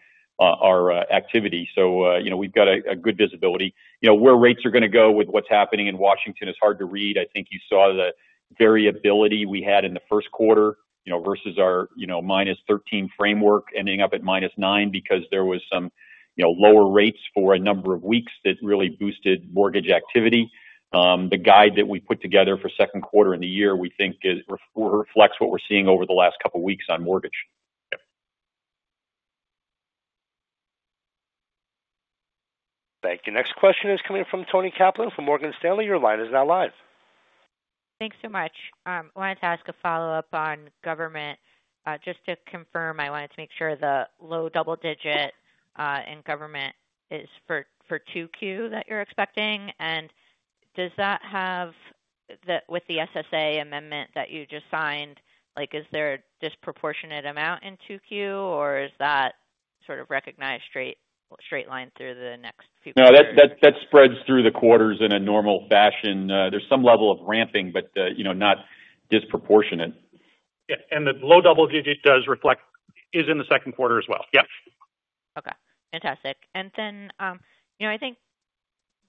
activity. We've got good visibility. Where rates are going to go with what's happening in Washington is hard to read. I think you saw the variability we had in the first quarter versus our -13 framework ending up at -9 because there were some lower rates for a number of weeks that really boosted mortgage activity. The guide that we put together for second quarter in the year, we think, reflects what we're seeing over the last couple of weeks on mortgage. Yep. Thank you. Next question is coming from Toni Kaplan from Morgan Stanley. Your line is now live. Thanks so much. I wanted to ask a follow-up on government. Just to confirm, I wanted to make sure the low double digit in government is for 2Q that you're expecting. Does that have with the SSA amendment that you just signed, is there a disproportionate amount in 2Q, or is that sort of recognized straight line through the next few quarters? No, that spreads through the quarters in a normal fashion. There is some level of ramping, but not disproportionate. Yeah. The low double digit does reflect is in the second quarter as well. Yep. Okay. Fantastic. I think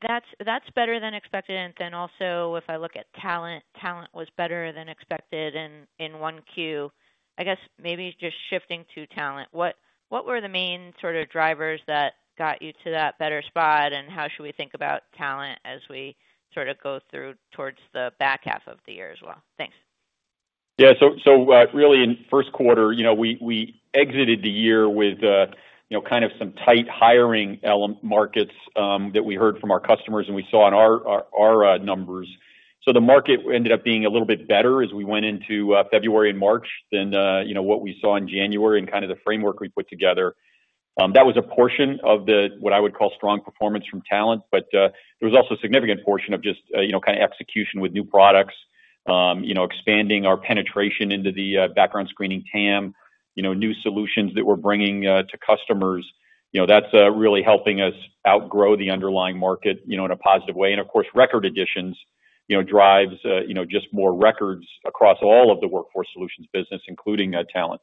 that is better than expected. Also, if I look at talent, talent was better than expected in 1Q. I guess maybe just shifting to talent, what were the main sort of drivers that got you to that better spot, and how should we think about talent as we sort of go through towards the back half of the year as well? Thanks. Yeah. Really in first quarter, we exited the year with kind of some tight hiring markets that we heard from our customers and we saw in our numbers. The market ended up being a little bit better as we went into February and March than what we saw in January and kind of the framework we put together. That was a portion of what I would call strong performance from talent, but there was also a significant portion of just kind of execution with new products, expanding our penetration into the background screening TAM, new solutions that we're bringing to customers. That is really helping us outgrow the underlying market in a positive way. Of course, record additions drives just more records across all of the workforce solutions business, including talent.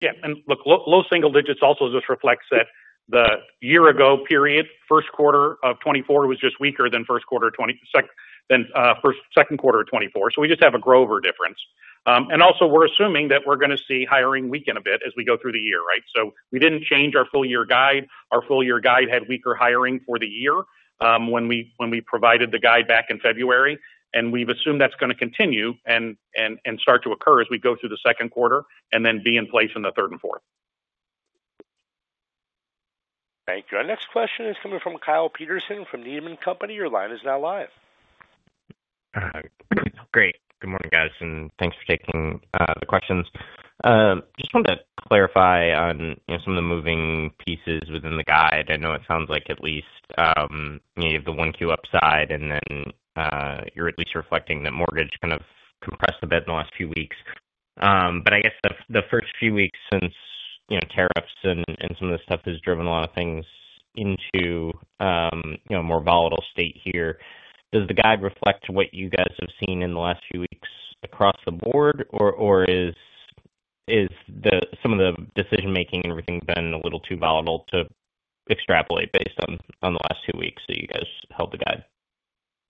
Yeah. Look, low single digits also just reflects that the year-ago period, first quarter of 2024 was just weaker than second quarter of 2024. We just have a Grover difference. We are assuming that we are going to see hiring weaken a bit as we go through the year, right? We did not change our full-year guide. Our full-year guide had weaker hiring for the year when we provided the guide back in February. We have assumed that is going to continue and start to occur as we go through the second quarter and then be in place in the third and fourth. Thank you. Our next question is coming from Kyle Peterson from Needham & Company. Your line is now live. Great. Good morning, guys. Thanks for taking the questions. Just wanted to clarify on some of the moving pieces within the guide. I know it sounds like at least you have the 1Q upside, and then you're at least reflecting that mortgage kind of compressed a bit in the last few weeks. I guess the first few weeks since tariffs and some of this stuff has driven a lot of things into a more volatile state here. Does the guide reflect what you guys have seen in the last few weeks across the board, or is some of the decision-making and everything been a little too volatile to extrapolate based on the last two weeks that you guys held the guide?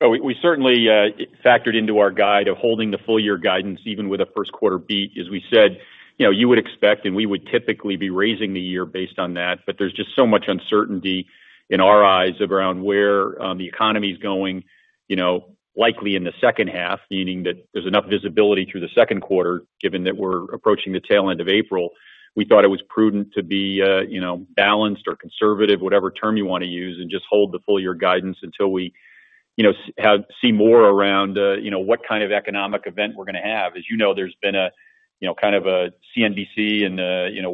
We certainly factored into our guide of holding the full-year guidance even with a first quarter beat. As we said, you would expect, and we would typically be raising the year based on that. There is just so much uncertainty in our eyes around where the economy is going, likely in the second half, meaning that there is enough visibility through the second quarter given that we are approaching the tail end of April. We thought it was prudent to be balanced or conservative, whatever term you want to use, and just hold the full-year guidance until we see more around what kind of economic event we are going to have. As you know, there has been a kind of a CNBC and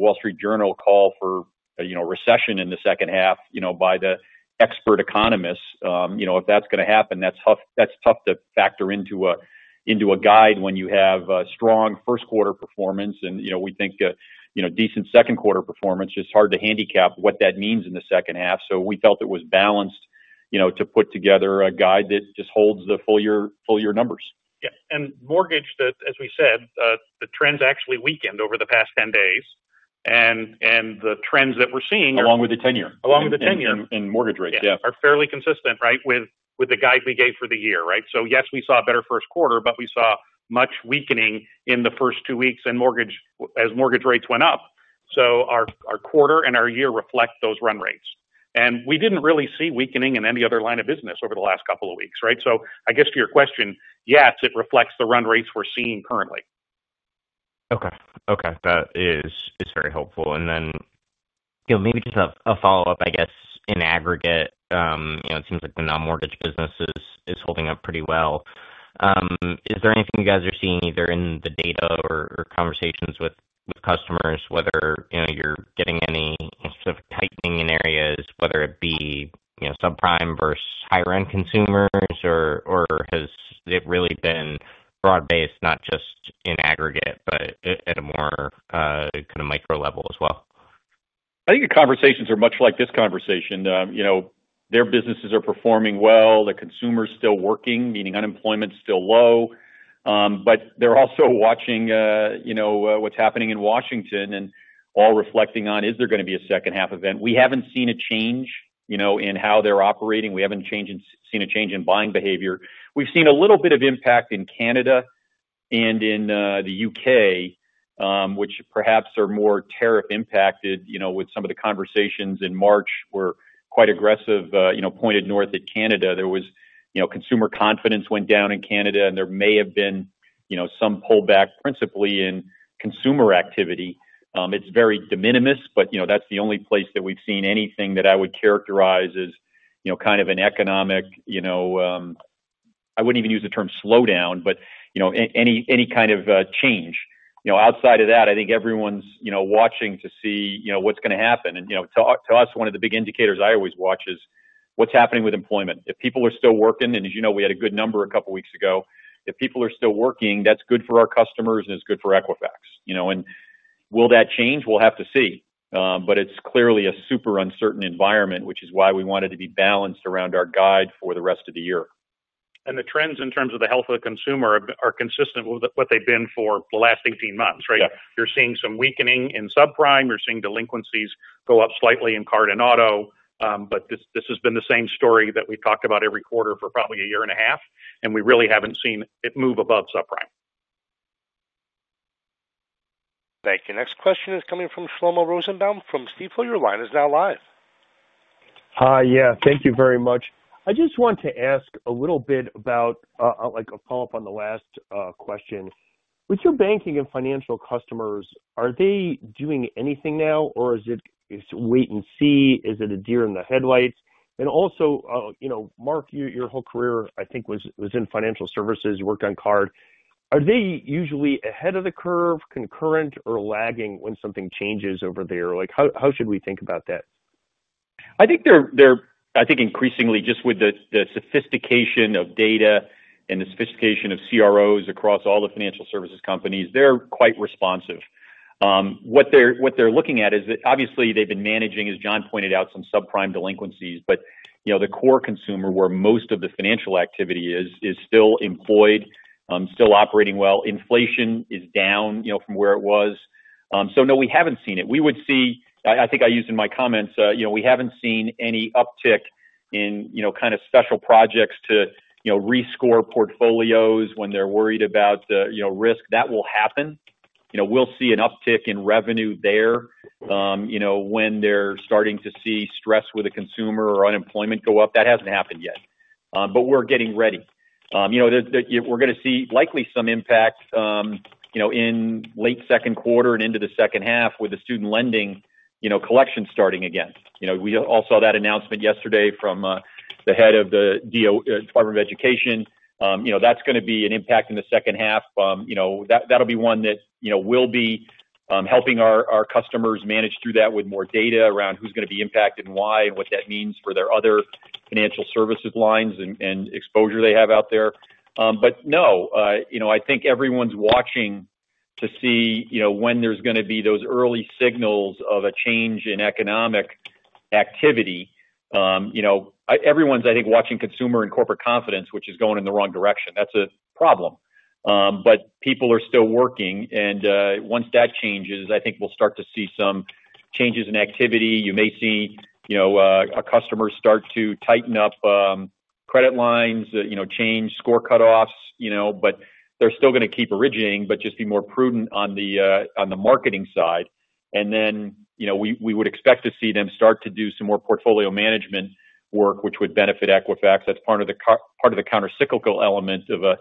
Wall Street Journal call for recession in the second half by the expert economists. If that is going to happen, that is tough to factor into a guide when you have strong first-quarter performance. We think decent second-quarter performance is hard to handicap what that means in the second half. We felt it was balanced to put together a guide that just holds the full-year numbers. Yeah. Mortgage, as we said, the trends actually weakened over the past 10 days. The trends that we're seeing. Along with the 10-year. Along with the 10-year. In mortgage rates, yeah. Are fairly consistent, right, with the guide we gave for the year, right? Yes, we saw a better first quarter, but we saw much weakening in the first two weeks as mortgage rates went up. Our quarter and our year reflect those run rates. We did not really see weakening in any other line of business over the last couple of weeks, right? I guess to your question, yes, it reflects the run rates we're seeing currently. Okay. Okay. That is very helpful. Maybe just a follow-up, I guess, in aggregate. It seems like the non-mortgage business is holding up pretty well. Is there anything you guys are seeing either in the data or conversations with customers, whether you're getting any sort of tightening in areas, whether it be subprime versus higher-end consumers, or has it really been broad-based, not just in aggregate, but at a more kind of micro level as well? I think the conversations are much like this conversation. Their businesses are performing well. The consumer is still working, meaning unemployment is still low. They are also watching what's happening in Washington and all reflecting on, is there going to be a second-half event? We haven't seen a change in how they're operating. We haven't seen a change in buying behavior. We've seen a little bit of impact in Canada and in the U.K., which perhaps are more tariff-impacted. With some of the conversations in March, were quite aggressive, pointed north at Canada. Consumer confidence went down in Canada, and there may have been some pullback principally in consumer activity. It is very de minimis, but that is the only place that we have seen anything that I would characterize as kind of an economic—I would not even use the term slowdown, but any kind of change. Outside of that, I think everyone is watching to see what is going to happen. To us, one of the big indicators I always watch is what is happening with employment. If people are still working, and as you know, we had a good number a couple of weeks ago. If people are still working, that is good for our customers, and it is good for Equifax. Will that change? We will have to see. It is clearly a super uncertain environment, which is why we wanted to be balanced around our guide for the rest of the year. The trends in terms of the health of the consumer are consistent with what they have been for the last 18 months, right? You are seeing some weakening in subprime. You are seeing delinquencies go up slightly in card and auto. This has been the same story that we have talked about every quarter for probably a year and a half, and we really have not seen it move above subprime. Thank you. Next question is coming from Shlomo Rosenbaum from Stifel. Your line is now live. Hi. Yeah. Thank you very much. I just want to ask a little bit about a follow-up on the last question. With your banking and financial customers, are they doing anything now, or is it wait and see? Is it a deer in the headlights? Also, Mark, your whole career, I think, was in financial services. You worked on card. Are they usually ahead of the curve, concurrent, or lagging when something changes over there? How should we think about that? I think increasingly, just with the sophistication of data and the sophistication of CROs across all the financial services companies, they're quite responsive. What they're looking at is that, obviously, they've been managing, as John pointed out, some subprime delinquencies, but the core consumer, where most of the financial activity is, is still employed, still operating well. Inflation is down from where it was. No, we haven't seen it. We would see—I think I used in my comments—we haven't seen any uptick in kind of special projects to rescore portfolios when they're worried about risk. That will happen. We'll see an uptick in revenue there when they're starting to see stress with a consumer or unemployment go up. That hasn't happened yet. We're getting ready. We're going to see likely some impact in late second quarter and into the second half with the student lending collection starting again. We all saw that announcement yesterday from the head of the Department of Education. That's going to be an impact in the second half. That'll be one that will be helping our customers manage through that with more data around who's going to be impacted and why and what that means for their other financial services lines and exposure they have out there. No, I think everyone's watching to see when there's going to be those early signals of a change in economic activity. Everyone's, I think, watching consumer and corporate confidence, which is going in the wrong direction. That's a problem. People are still working. Once that changes, I think we'll start to see some changes in activity. You may see customers start to tighten up credit lines, change score cutoffs. They're still going to keep originating, just be more prudent on the marketing side. We would expect to see them start to do some more portfolio management work, which would benefit Equifax. That's part of the countercyclical element of a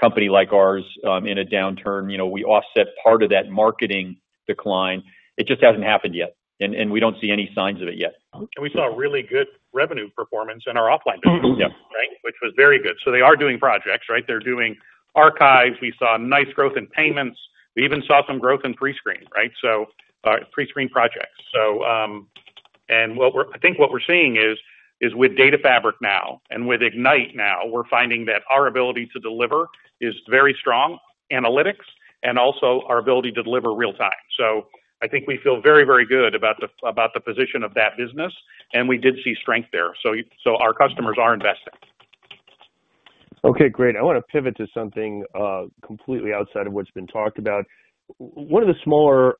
company like ours in a downturn. We offset part of that marketing decline. It just hasn't happened yet. We don't see any signs of it yet. We saw really good revenue performance in our offline business, right, which was very good. They are doing projects, right? They're doing archives. We saw nice growth in payments. We even saw some growth in pre-screen, right? Pre-screen projects. I think what we're seeing is with Data Fabric now and with Ignite now, we're finding that our ability to deliver is very strong, analytics, and also our ability to deliver real-time. I think we feel very, very good about the position of that business. We did see strength there. Our customers are investing. Okay. Great. I want to pivot to something completely outside of what's been talked about. One of the smaller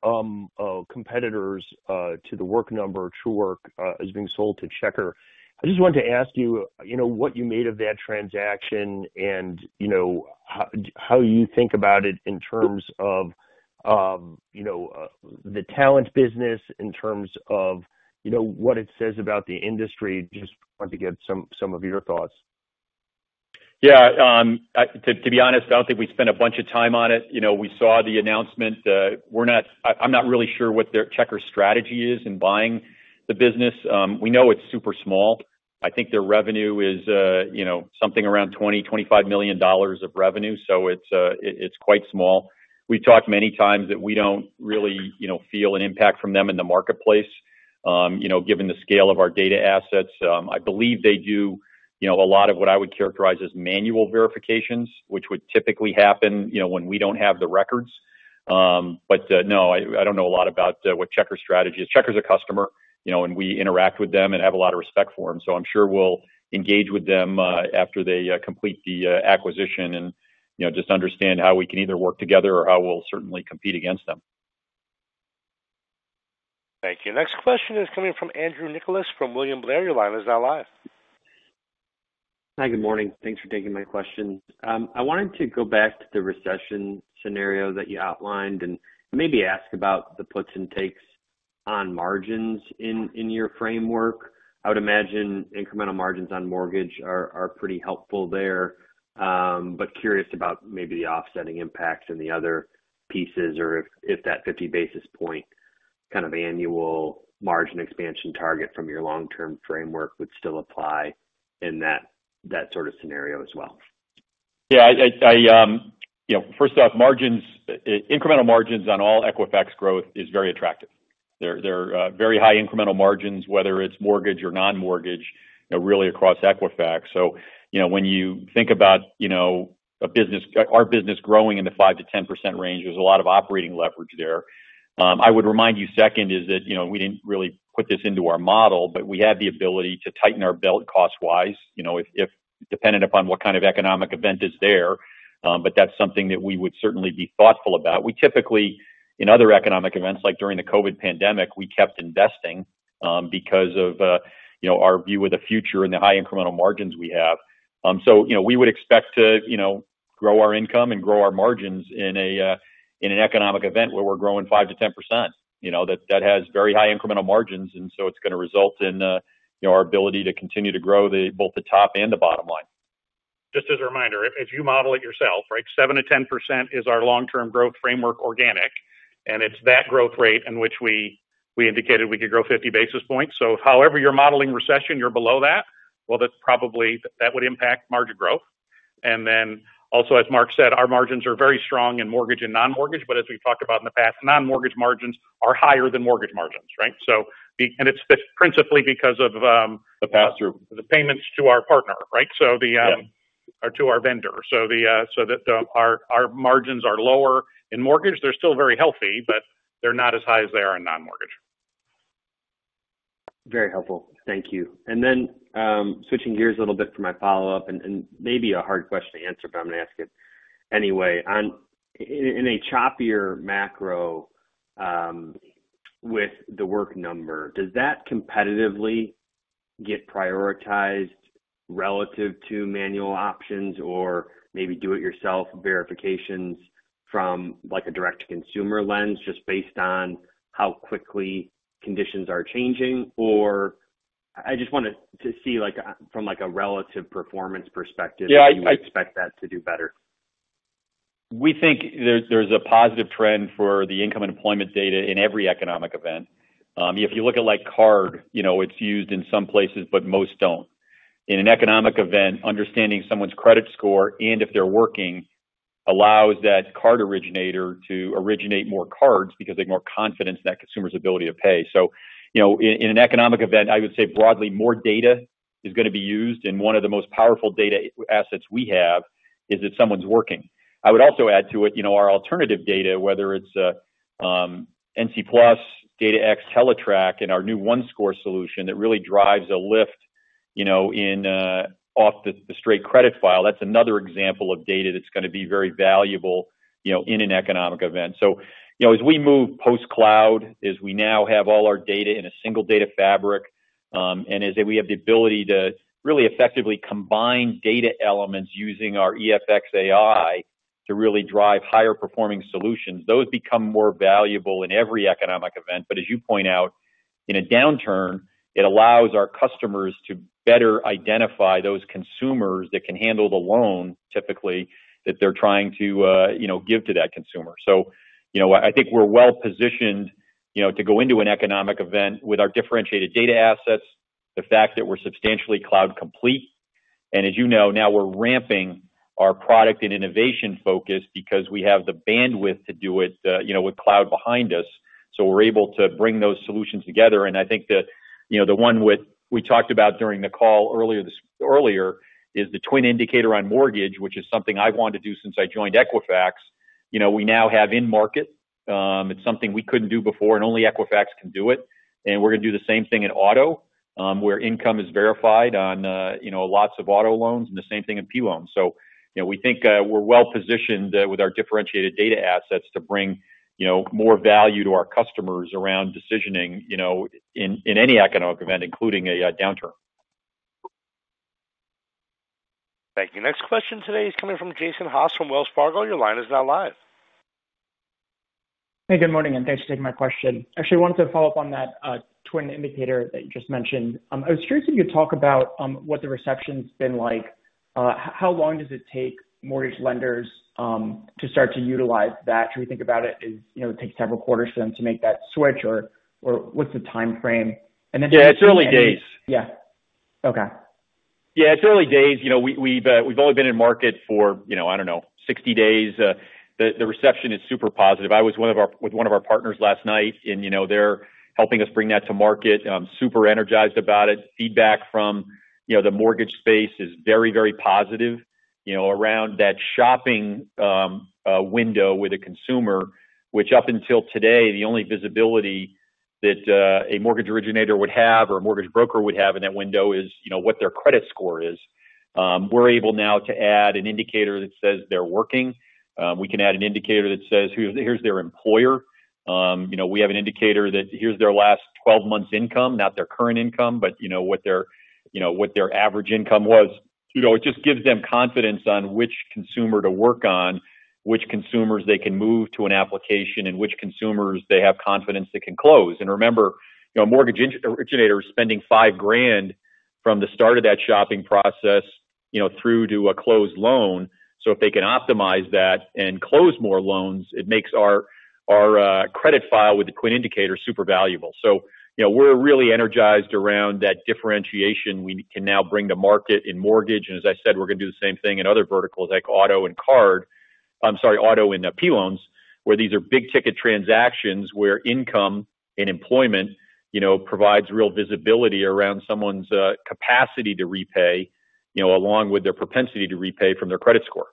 competitors to The Work Number, Truework, is being sold to Checker. I just wanted to ask you what you made of that transaction and how you think about it in terms of the talent business, in terms of what it says about the industry. Just wanted to get some of your thoughts. Yeah. To be honest, I don't think we spent a bunch of time on it. We saw the announcement. I'm not really sure what Checker's strategy is in buying the business. We know it's super small. I think their revenue is something around $20 million-$25 million of revenue. It is quite small. We've talked many times that we don't really feel an impact from them in the marketplace given the scale of our data assets. I believe they do a lot of what I would characterize as manual verifications, which would typically happen when we don't have the records. No, I don't know a lot about what Checker's strategy is. Checker is a customer, and we interact with them and have a lot of respect for them. I'm sure we'll engage with them after they complete the acquisition and just understand how we can either work together or how we'll certainly compete against them. Thank you. Next question is coming from Andrew Nicholas from William Blair. Your line is now live. Hi. Good morning. Thanks for taking my question. I wanted to go back to the recession scenario that you outlined and maybe ask about the puts and takes on margins in your framework. I would imagine incremental margins on mortgage are pretty helpful there. Curious about maybe the offsetting impact and the other pieces or if that 50 basis point kind of annual margin expansion target from your long-term framework would still apply in that sort of scenario as well. Yeah. First off, incremental margins on all Equifax growth is very attractive. They're very high incremental margins, whether it's mortgage or non-mortgage, really across Equifax. When you think about our business growing in the 5%-10% range, there's a lot of operating leverage there. I would remind you second is that we didn't really put this into our model, but we have the ability to tighten our belt cost-wise dependent upon what kind of economic event is there. That's something that we would certainly be thoughtful about. We typically, in other economic events like during the COVID pandemic, kept investing because of our view of the future and the high incremental margins we have. We would expect to grow our income and grow our margins in an economic event where we're growing 5%-10%. That has very high incremental margins. It is going to result in our ability to continue to grow both the top and the bottom line. Just as a reminder, if you model it yourself, right, 7%-10% is our long-term growth framework organic. It is that growth rate in which we indicated we could grow 50 basis points. However you are modeling recession, if you are below that, that would impact margin growth. Also, as Mark said, our margins are very strong in mortgage and non-mortgage. As we have talked about in the past, non-mortgage margins are higher than mortgage margins, right? It is principally because of the payments to our partner, to our vendor. Our margins are lower in mortgage. They are still very healthy, but they are not as high as they are in non-mortgage. Very helpful. Thank you. Switching gears a little bit for my follow-up, and maybe a hard question to answer, but I'm going to ask it anyway. In a choppier macro with The Work Number, does that competitively get prioritized relative to manual options or maybe do-it-yourself verifications from a direct-to-consumer lens just based on how quickly conditions are changing? I just want to see from a relative performance perspective, would you expect that to do better? We think there's a positive trend for the income and employment data in every economic event. If you look at card, it's used in some places, but most do not. In an economic event, understanding someone's credit score and if they're working allows that card originator to originate more cards because they have more confidence in that consumer's ability to pay. In an economic event, I would say broadly, more data is going to be used. One of the most powerful data assets we have is that someone's working. I would also add to it our alternative data, whether it's NC Plus, DataX, Teletrack, and our new OneScore solution that really drives a lift off the straight credit file. That's another example of data that's going to be very valuable in an economic event. As we move post-cloud, as we now have all our data in a single data fabric, and as we have the ability to really effectively combine data elements using our EFX.AI to really drive higher-performing solutions, those become more valuable in every economic event. As you point out, in a downturn, it allows our customers to better identify those consumers that can handle the loan, typically, that they're trying to give to that consumer. I think we're well-positioned to go into an economic event with our differentiated data assets, the fact that we're substantially cloud-complete. As you know, now we're ramping our product and innovation focus because we have the bandwidth to do it with cloud behind us. We're able to bring those solutions together. I think the one we talked about during the call earlier is the TWN indicator on mortgage, which is something I've wanted to do since I joined Equifax. We now have in-market. It's something we couldn't do before, and only Equifax can do it. We're going to do the same thing in auto where income is verified on lots of auto loans and the same thing in P-loans. We think we're well-positioned with our differentiated data assets to bring more value to our customers around decisioning in any economic event, including a downturn. Thank you. Next question today is coming from Jason Haas from Wells Fargo. Your line is now live. Hey, good morning, and thanks for taking my question. Actually, I wanted to follow up on that TWN indicator that you just mentioned. I was curious if you could talk about what the reception's been like. How long does it take mortgage lenders to start to utilize that? Should we think about it as it takes several quarters for them to make that switch, or what's the timeframe? Yeah. It's early days. Yeah. Okay. Yeah. It's early days. We've only been in market for, I don't know, 60 days. The reception is super positive. I was with one of our partners last night, and they're helping us bring that to market. Super energized about it. Feedback from the mortgage space is very, very positive around that shopping window with a consumer, which up until today, the only visibility that a mortgage originator would have or a mortgage broker would have in that window is what their credit score is. We're able now to add an indicator that says they're working. We can add an indicator that says, "Here's their employer." We have an indicator that, "Here's their last 12 months' income," not their current income, but what their average income was. It just gives them confidence on which consumer to work on, which consumers they can move to an application, and which consumers they have confidence they can close. Remember, a mortgage originator is spending $5,000 from the start of that shopping process through to a closed loan. If they can optimize that and close more loans, it makes our credit file with the TWN indicator super valuable. We are really energized around that differentiation we can now bring to market in mortgage. As I said, we are going to do the same thing in other verticals like auto and P-loans, where these are big-ticket transactions where income and employment provides real visibility around someone's capacity to repay along with their propensity to repay from their credit score.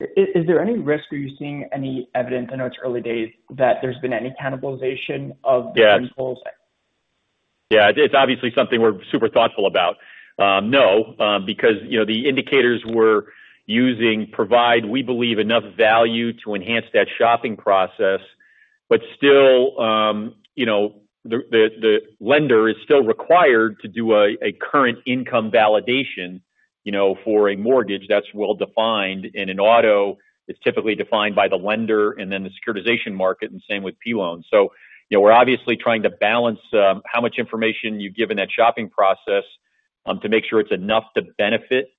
Is there any risk, or are you seeing any evidence—I know it's early days—that there's been any cannibalization of the end goals? Yeah. It's obviously something we're super thoughtful about. No, because the indicators we're using provide, we believe, enough value to enhance that shopping process. Still, the lender is still required to do a current income validation for a mortgage that's well-defined. In auto, it's typically defined by the lender and then the securitization market, and same with P-loans. We're obviously trying to balance how much information you've given that shopping process to make sure it's enough to benefit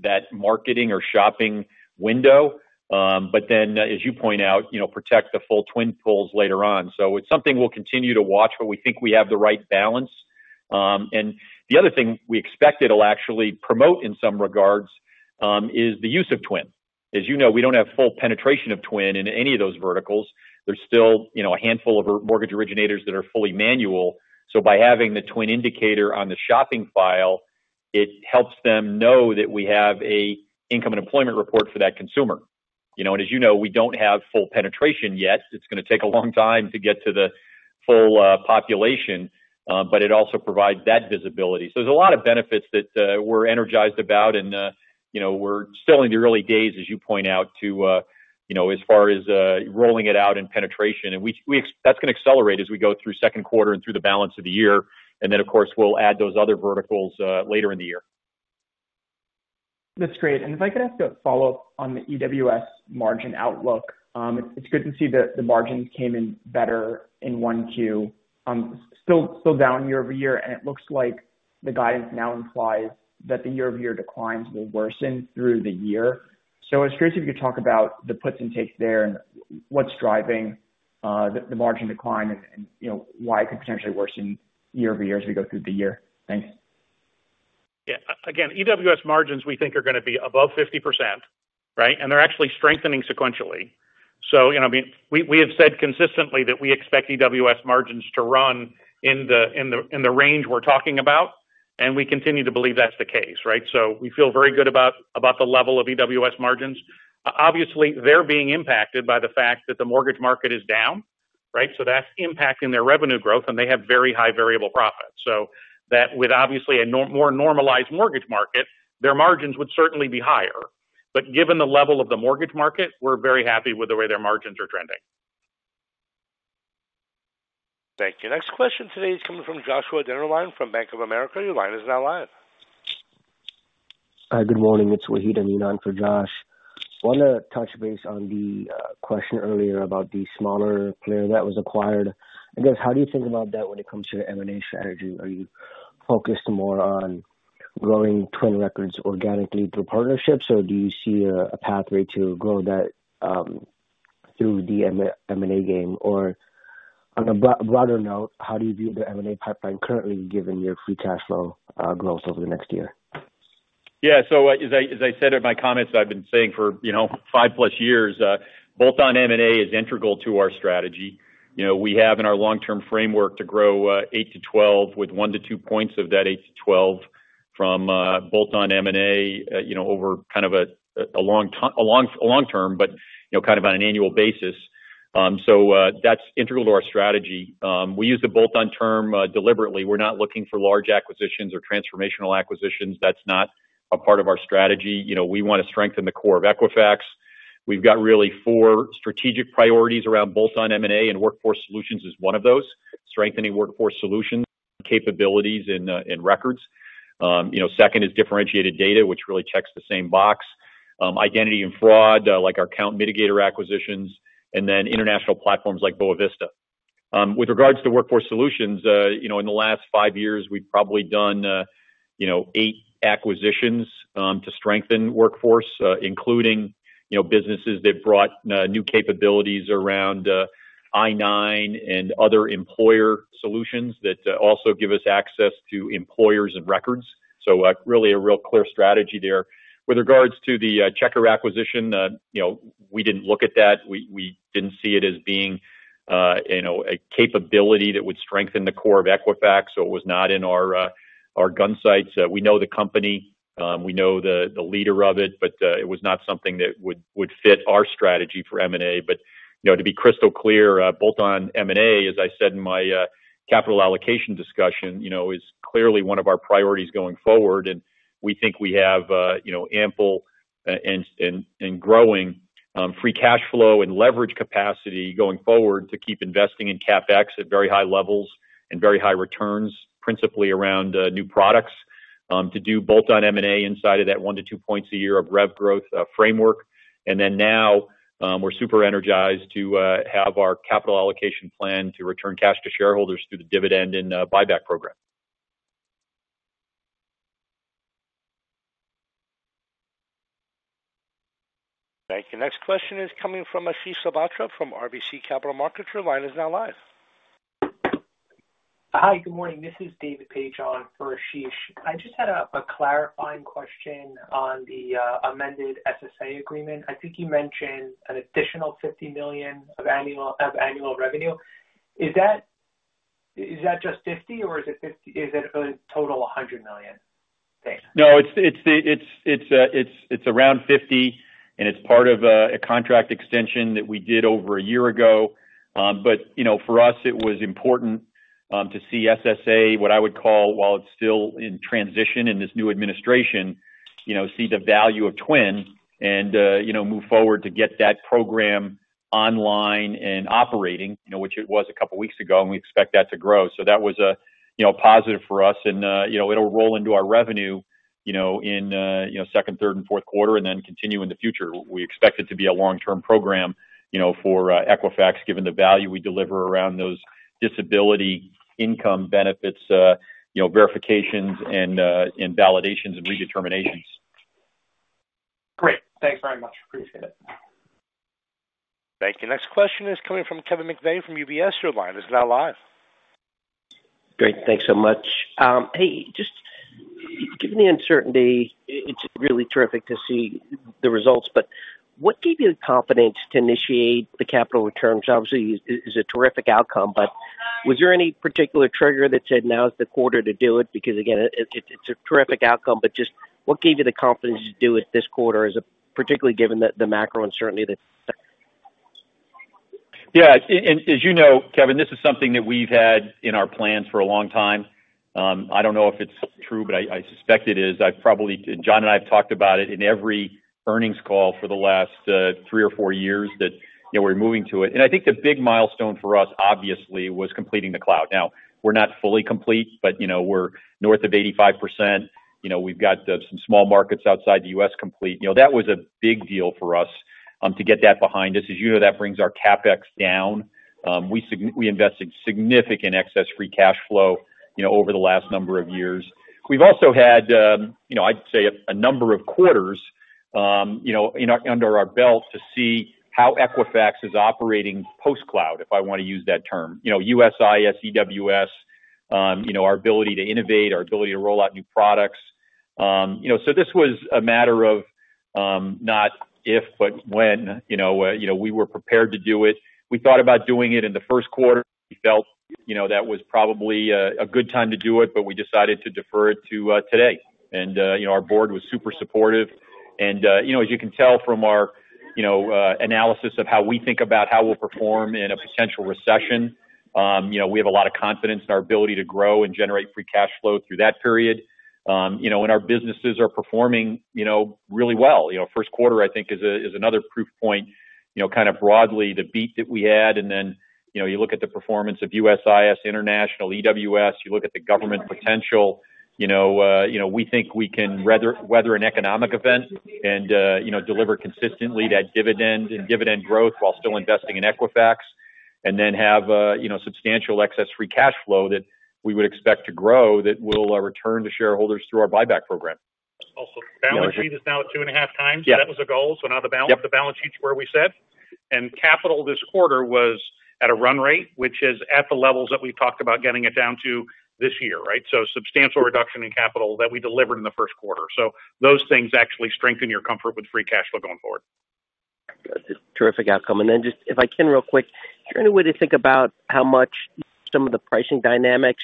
that marketing or shopping window. As you point out, protect the full TWN pulls later on. It's something we'll continue to watch, but we think we have the right balance. The other thing we expect it'll actually promote in some regards is the use of TWN. As you know, we don't have full penetration of TWN in any of those verticals. There's still a handful of mortgage originators that are fully manual. By having the TWN indicator on the shopping file, it helps them know that we have an income and employment report for that consumer. As you know, we don't have full penetration yet. It's going to take a long time to get to the full population, but it also provides that visibility. There are a lot of benefits that we're energized about. We're still in the early days, as you point out, as far as rolling it out and penetration. That's going to accelerate as we go through second quarter and through the balance of the year. Of course, we'll add those other verticals later in the year. That's great. If I could ask a follow-up on the EWS margin outlook, it's good to see that the margins came in better in Q1. Still down year-over-year, and it looks like the guidance now implies that the year-over-year declines will worsen through the year. I was curious if you could talk about the puts and takes there and what's driving the margin decline and why it could potentially worsen year-over-year as we go through the year. Thanks. Yeah. Again, EWS margins we think are going to be above 50%, right? They're actually strengthening sequentially. We have said consistently that we expect EWS margins to run in the range we're talking about. We continue to believe that's the case, right? We feel very good about the level of EWS margins. Obviously, they're being impacted by the fact that the mortgage market is down, right? That's impacting their revenue growth, and they have very high variable profits. With a more normalized mortgage market, their margins would certainly be higher. Given the level of the mortgage market, we're very happy with the way their margins are trending. Thank you. Next question today is coming from Joshua Dennerlein from Bank of America. Your line is now live. Hi. Good morning. It's Wahid Amin on for Josh. I want to touch base on the question earlier about the smaller player that was acquired. I guess, how do you think about that when it comes to M&A strategy? Are you focused more on growing TWN records organically through partnerships, or do you see a pathway to grow that through the M&A game? Or on a broader note, how do you view the M&A pipeline currently given your free cash flow growth over the next year? Yeah. As I said in my comments that I've been saying for five+ years, bolt-on M&A is integral to our strategy. We have in our long-term framework to grow 8-12 with 1-2 points of that 8-12 from bolt-on M&A over kind of a long term, but kind of on an annual basis. That's integral to our strategy. We use the bolt-on term deliberately. We're not looking for large acquisitions or transformational acquisitions. That's not a part of our strategy. We want to strengthen the core of Equifax. We've got really four strategic priorities around bolt-on M&A, and workforce solutions is one of those: strengthening workforce solutions, capabilities, and records. Second is differentiated data, which really checks the same box: identity and fraud, like our account mitigator acquisitions, and then international platforms like Boa Vista. With regards to workforce solutions, in the last five years, we've probably done eight acquisitions to strengthen workforce, including businesses that brought new capabilities around I9 and other employer solutions that also give us access to employers and records. Really a real clear strategy there. With regards to the Checker acquisition, we didn't look at that. We didn't see it as being a capability that would strengthen the core of Equifax. It was not in our gun sights. We know the company. We know the leader of it, but it was not something that would fit our strategy for M&A. To be crystal clear, bolt-on M&A, as I said in my capital allocation discussion, is clearly one of our priorities going forward. We think we have ample and growing free cash flow and leverage capacity going forward to keep investing in CapEx at very high levels and very high returns, principally around new products to do bolt-on M&A inside of that 1-2 points a year of rev growth framework. Now we're super energized to have our capital allocation plan to return cash to shareholders through the dividend and buyback program. Thank you. Next question is coming from Ashish Sabadra from RBC Capital Markets. Your line is now live. Hi. Good morning. This is David Paige on for Ashish. I just had a clarifying question on the amended SSA agreement. I think you mentioned an additional $50 million of annual revenue. Is that just 50, or is it a total 100 million thing? No, it's around 50, and it's part of a contract extension that we did over a year ago. For us, it was important to see SSA, what I would call, while it's still in transition in this new administration, see the value of TWN and move forward to get that program online and operating, which it was a couple of weeks ago, and we expect that to grow. That was positive for us. It'll roll into our revenue in second, third, and fourth quarter and then continue in the future. We expect it to be a long-term program for Equifax given the value we deliver around those disability income benefits, verifications, and validations and redeterminations. Great. Thanks very much. Appreciate it. Thank you. Next question is coming from Kevin McVeigh from UBS. Your line is now live. Great. Thanks so much. Hey, just given the uncertainty, it's really terrific to see the results. What gave you the confidence to initiate the capital returns? Obviously, it's a terrific outcome, but was there any particular trigger that said, "Now's the quarter to do it"? Again, it's a terrific outcome, but just what gave you the confidence to do it this quarter, particularly given the macro uncertainty? Yeah. As you know, Kevin, this is something that we've had in our plans for a long time. I don't know if it's true, but I suspect it is. John and I have talked about it in every earnings call for the last three or four years that we're moving to it. I think the big milestone for us, obviously, was completing the cloud. Now, we're not fully complete, but we're north of 85%. We've got some small markets outside the U.S. complete. That was a big deal for us to get that behind us. As you know, that brings our CapEx down. We invested significant excess free cash flow over the last number of years. We've also had, I'd say, a number of quarters under our belt to see how Equifax is operating post-cloud, if I want to use that term: USIS, EWS, our ability to innovate, our ability to roll out new products. This was a matter of not if, but when we were prepared to do it. We thought about doing it in the first quarter. We felt that was probably a good time to do it, but we decided to defer it to today. Our board was super supportive. As you can tell from our analysis of how we think about how we'll perform in a potential recession, we have a lot of confidence in our ability to grow and generate free cash flow through that period when our businesses are performing really well. First quarter, I think, is another proof point kind of broadly, the beat that we had. You look at the performance of USIS International, EWS. You look at the government potential. We think we can weather an economic event and deliver consistently that dividend and dividend growth while still investing in Equifax and then have substantial excess free cash flow that we would expect to grow that will return to shareholders through our buyback program. Also, balance sheet is now at two and a half times. That was a goal. Now the balance sheet's where we said. Capital this quarter was at a run rate, which is at the levels that we've talked about getting it down to this year, right? Substantial reduction in capital that we delivered in the first quarter. Those things actually strengthen your comfort with free cash flow going forward. Terrific outcome. If I can real quick, is there any way to think about how much some of the pricing dynamics?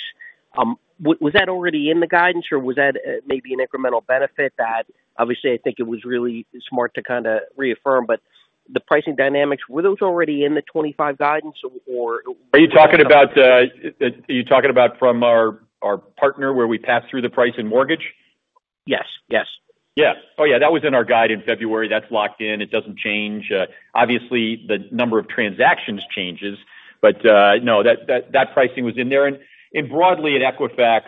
Was that already in the guidance, or was that maybe an incremental benefit that obviously I think it was really smart to kind of reaffirm? The pricing dynamics, were those already in the 2025 guidance, or? Are you talking about from our partner where we passed through the price in mortgage? Yes. Yes. Yeah. Oh yeah. That was in our guide in February. That's locked in. It doesn't change. Obviously, the number of transactions changes, but no, that pricing was in there. Broadly at Equifax,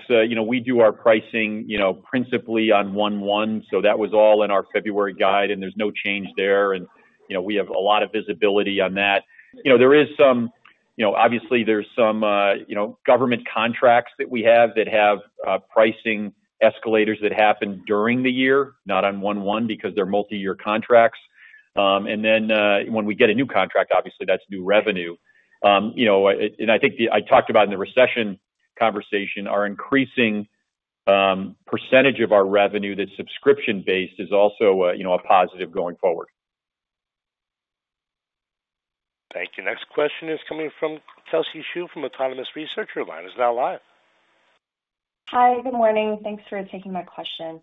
we do our pricing principally on one-one. That was all in our February guide, and there's no change there. We have a lot of visibility on that. There is some, obviously, there's some government contracts that we have that have pricing escalators that happen during the year, not on one-one because they're multi-year contracts. When we get a new contract, obviously, that's new revenue. I think I talked about in the recession conversation, our increasing percentage of our revenue that's subscription-based is also a positive going forward. Thank you. Next question is coming from Kelsey Zhu from Economist Researcher. Your line is now live. Hi. Good morning. Thanks for taking my question.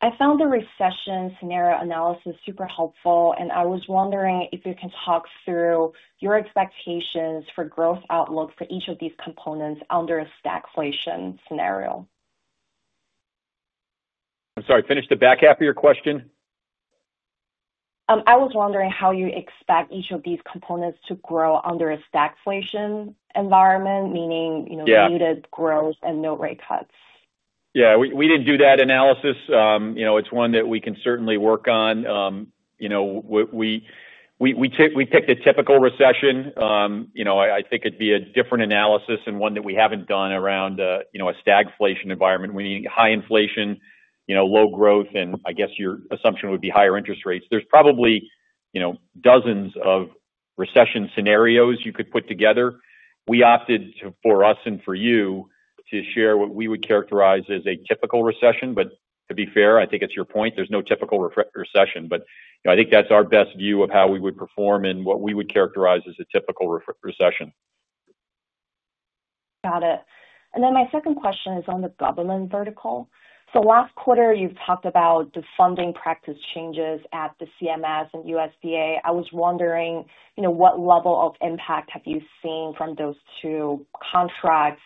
I found the recession scenario analysis super helpful, and I was wondering if you can talk through your expectations for growth outlook for each of these components under a stagflation scenario. I'm sorry. Finish the back half of your question. I was wondering how you expect each of these components to grow under a stagflation environment, meaning muted growth and no rate cuts. Yeah. We didn't do that analysis. It's one that we can certainly work on. We picked a typical recession. I think it'd be a different analysis and one that we haven't done around a stagflation environment. We need high inflation, low growth, and I guess your assumption would be higher interest rates. There's probably dozens of recession scenarios you could put together. We opted for us and for you to share what we would characterize as a typical recession. To be fair, I think it's your point. There's no typical recession, but I think that's our best view of how we would perform and what we would characterize as a typical recession. Got it. My second question is on the government vertical. Last quarter, you've talked about the funding practice changes at the CMS and USDA. I was wondering what level of impact have you seen from those two contracts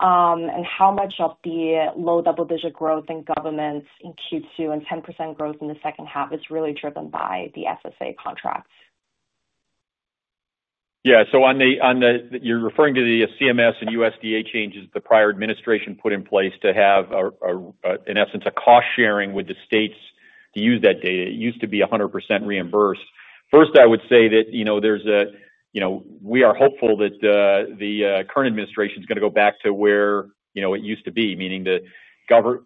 and how much of the low double-digit growth in governments in Q2 and 10% growth in the second half is really driven by the SSA contracts? Yeah. You're referring to the CMS and USDA changes the prior administration put in place to have, in essence, a cost-sharing with the states to use that data. It used to be 100% reimbursed. First, I would say that we are hopeful that the current administration is going to go back to where it used to be, meaning the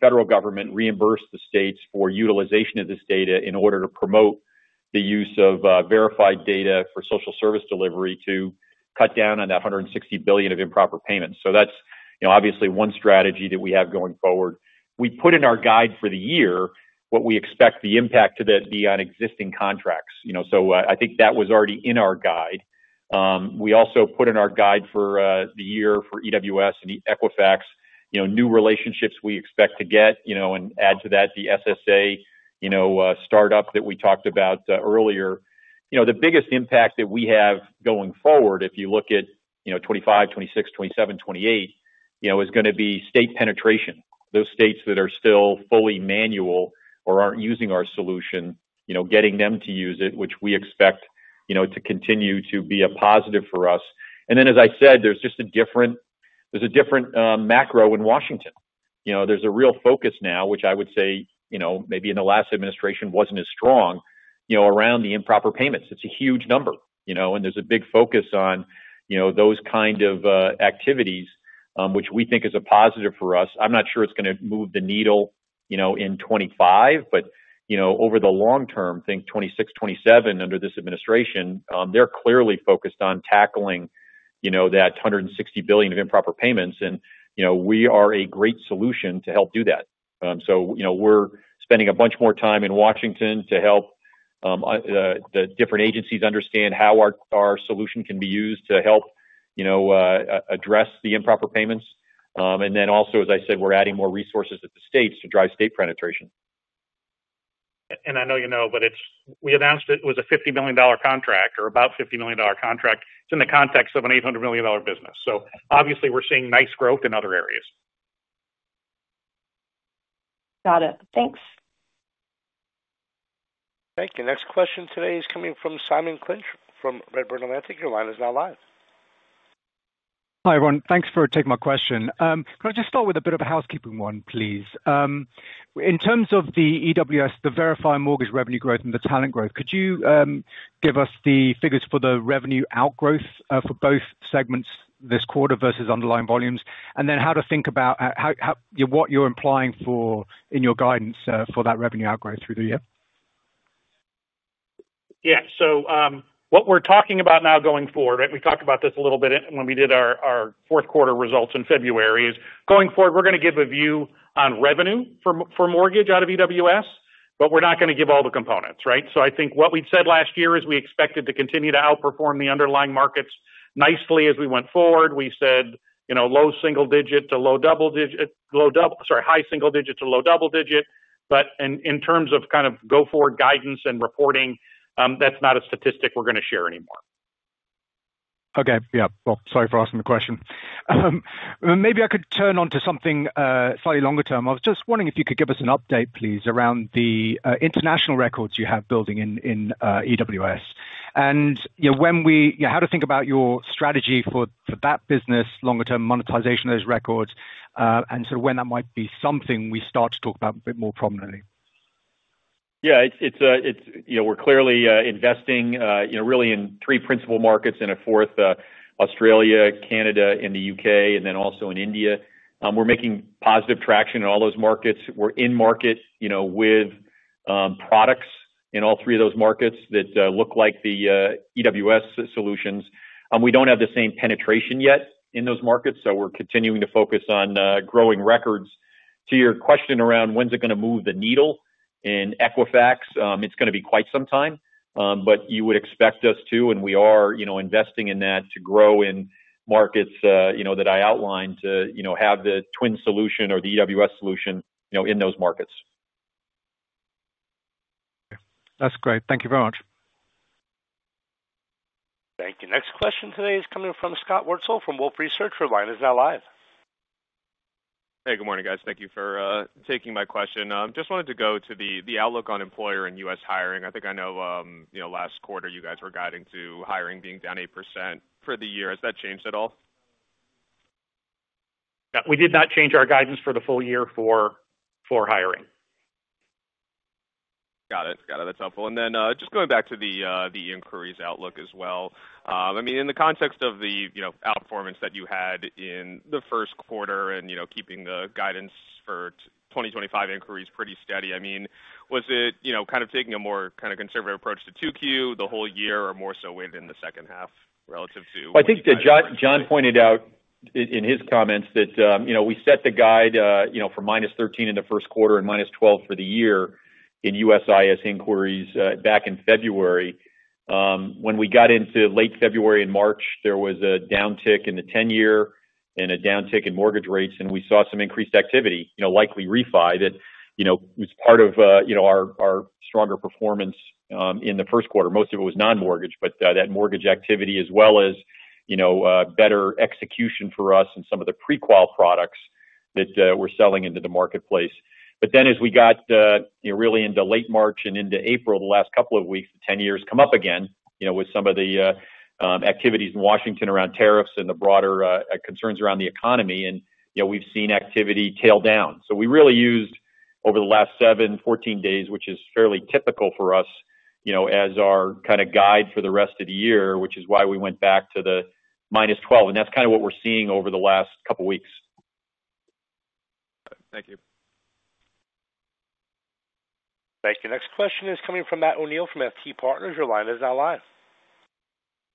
federal government reimbursed the states for utilization of this data in order to promote the use of verified data for social service delivery to cut down on that $160 billion of improper payments. That is obviously one strategy that we have going forward. We put in our guide for the year what we expect the impact to be on existing contracts. I think that was already in our guide. We also put in our guide for the year for EWS and Equifax, new relationships we expect to get, and add to that the SSA startup that we talked about earlier. The biggest impact that we have going forward, if you look at 2025, 2026, 2027, 2028, is going to be state penetration. Those states that are still fully manual or are not using our solution, getting them to use it, which we expect to continue to be a positive for us. As I said, there is just a different macro in Washington. There is a real focus now, which I would say maybe in the last administration was not as strong around the improper payments. It is a huge number, and there is a big focus on those kind of activities, which we think is a positive for us. I am not sure it is going to move the needle in 2025, but over the long term, I think 2026, 2027 under this administration, they are clearly focused on tackling that $160 billion of improper payments. We are a great solution to help do that. We're spending a bunch more time in Washington to help the different agencies understand how our solution can be used to help address the improper payments. Also, as I said, we're adding more resources at the states to drive state penetration. I know you know, but we announced it was a $50 million contract or about $50 million contract. It's in the context of an $800 million business. Obviously, we're seeing nice growth in other areas. Got it. Thanks. Thank you. Next question today is coming from Simon Clinch from Redburn Atlantic. Your line is now live. Hi everyone. Thanks for taking my question. Can I just start with a bit of a housekeeping one, please? In terms of the EWS, the verified mortgage revenue growth and the talent growth, could you give us the figures for the revenue outgrowth for both segments this quarter versus underlying volumes, and then how to think about what you're implying in your guidance for that revenue outgrowth through the year? Yeah. What we're talking about now going forward, right? We talked about this a little bit when we did our fourth quarter results in February. Going forward, we're going to give a view on revenue for mortgage out of EWS, but we're not going to give all the components, right? I think what we'd said last year is we expected to continue to outperform the underlying markets nicely as we went forward. We said low single digit to low double digit, low double, sorry, high single digit to low double digit. In terms of kind of go-forward guidance and reporting, that's not a statistic we're going to share anymore. Okay. Yeah. Sorry for asking the question. Maybe I could turn on to something slightly longer term. I was just wondering if you could give us an update, please, around the international records you have building in EWS and how to think about your strategy for that business, longer-term monetization of those records, and sort of when that might be something we start to talk about a bit more prominently. Yeah. We're clearly investing really in three principal markets and a fourth: Australia, Canada, and the U.K., and then also in India. We're making positive traction in all those markets. We're in market with products in all three of those markets that look like the EWS solutions. We don't have the same penetration yet in those markets, so we're continuing to focus on growing records. To your question around when's it going to move the needle in Equifax, it's going to be quite some time, but you would expect us to, and we are investing in that to grow in markets that I outlined to have the TWN solution or the EWS solution in those markets. That's great. Thank you very much. Thank you. Next question today is coming from Scott Wurzel from Wolfe Research. Your line is now live. Hey, good morning, guys. Thank you for taking my question. Just wanted to go to the outlook on employer and U.S. hiring. I think I know last quarter you guys were guiding to hiring being down 8% for the year. Has that changed at all? We did not change our guidance for the full year for hiring. Got it. Got it. That's helpful. Just going back to the inquiries outlook as well, I mean, in the context of the outperformance that you had in the first quarter and keeping the guidance for 2025 inquiries pretty steady, I mean, was it kind of taking a more kind of conservative approach to 2Q the whole year or more so waiting in the second half relative to? I think that John pointed out in his comments that we set the guide for -13 in the first quarter and -12 for the year in USIS inquiries back in February. When we got into late February and March, there was a downtick in the 10-year and a downtick in mortgage rates, and we saw some increased activity, likely refi, that was part of our stronger performance in the first quarter. Most of it was non-mortgage, but that mortgage activity as well as better execution for us and some of the pre-qual products that we're selling into the marketplace. As we got really into late March and into April, the last couple of weeks, the 10-year has come up again with some of the activities in Washington around tariffs and the broader concerns around the economy, and we've seen activity tail down. We really used over the last 7-14 days, which is fairly typical for us as our kind of guide for the rest of the year, which is why we went back to the -12. That's kind of what we're seeing over the last couple of weeks. Thank you. Thank you. Next question is coming from Matt O'Neill from FT Partners. Your line is now live.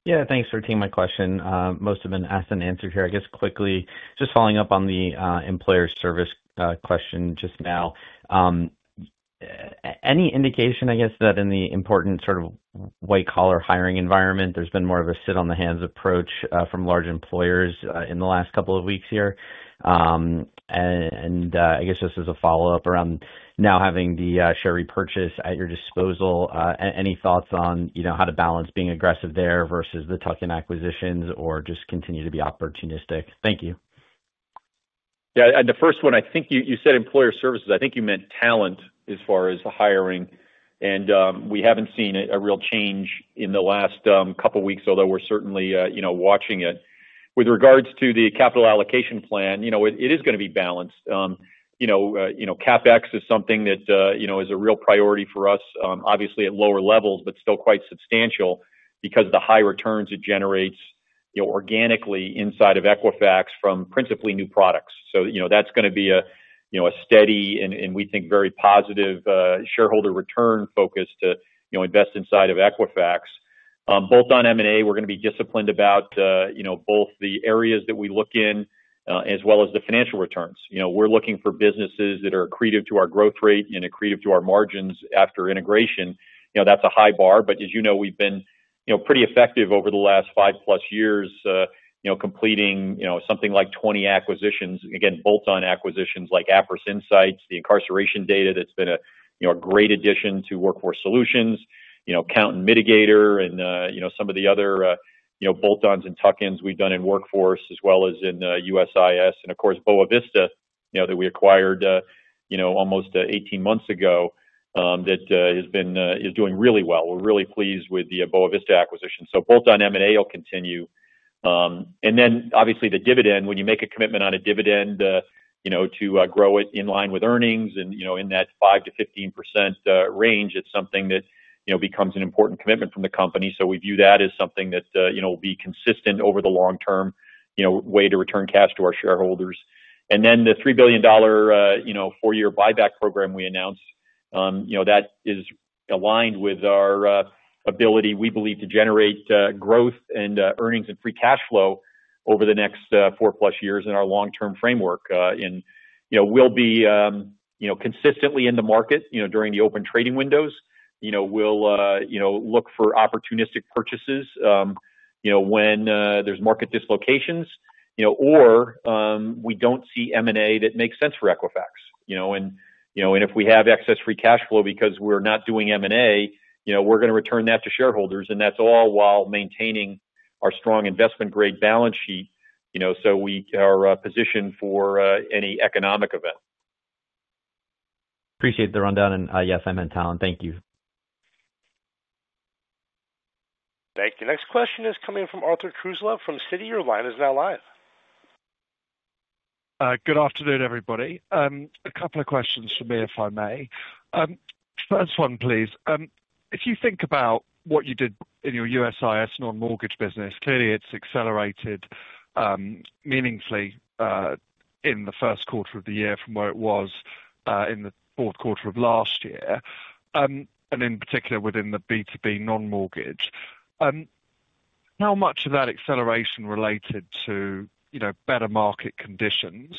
Yeah. Thanks for taking my question. Most have been asked and answered here. I guess quickly, just following up on the employer service question just now, any indication, I guess, that in the important sort of white-collar hiring environment, there's been more of a sit-on-the-hands approach from large employers in the last couple of weeks here? I guess this is a follow-up around now having the share repurchase at your disposal. Any thoughts on how to balance being aggressive there versus the Tuck and acquisitions or just continue to be opportunistic? Thank you. Yeah. In the first one, I think you said employer services. I think you meant talent as far as hiring, and we haven't seen a real change in the last couple of weeks, although we're certainly watching it. With regards to the capital allocation plan, it is going to be balanced. CapEx is something that is a real priority for us, obviously at lower levels, but still quite substantial because of the high returns it generates organically inside of Equifax from principally new products. That is going to be a steady and we think very positive shareholder return focus to invest inside of Equifax. Both on M&A, we are going to be disciplined about both the areas that we look in as well as the financial returns. We are looking for businesses that are accretive to our growth rate and accretive to our margins after integration. That is a high bar. As you know, we've been pretty effective over the last five+ years completing something like 20 acquisitions, again, bolt-on acquisitions like Aperis Insights, the incarceration data that's been a great addition to Workforce Solutions, Count and Mitigator, and some of the other bolt-ons and tuck-ins we've done in Workforce as well as in USIS. Of course, Boa Vista that we acquired almost 18 months ago that has been doing really well. We're really pleased with the Boa Vista acquisition. Bolt-on M&A will continue. Obviously the dividend, when you make a commitment on a dividend to grow it in line with earnings and in that 5%-15% range, it's something that becomes an important commitment from the company. We view that as something that will be consistent over the long-term way to return cash to our shareholders. The $3 billion four-year buyback program we announced is aligned with our ability, we believe, to generate growth and earnings and free cash flow over the next four+ years in our long-term framework. We will be consistently in the market during the open trading windows. We will look for opportunistic purchases when there are market dislocations or we do not see M&A that makes sense for Equifax. If we have excess free cash flow because we are not doing M&A, we are going to return that to shareholders. That is all while maintaining our strong investment-grade balance sheet so we are positioned for any economic event. Appreciate the rundown. Yes, I meant talent. Thank you. Thank you. Next question is coming from Arthur Truslove from Citi. Your line is now live. Good afternoon, everybody. A couple of questions for me if I may. First one, please. If you think about what you did in your USIS non-mortgage business, clearly it's accelerated meaningfully in the first quarter of the year from where it was in the fourth quarter of last year, and in particular within the B2B non-mortgage. How much of that acceleration related to better market conditions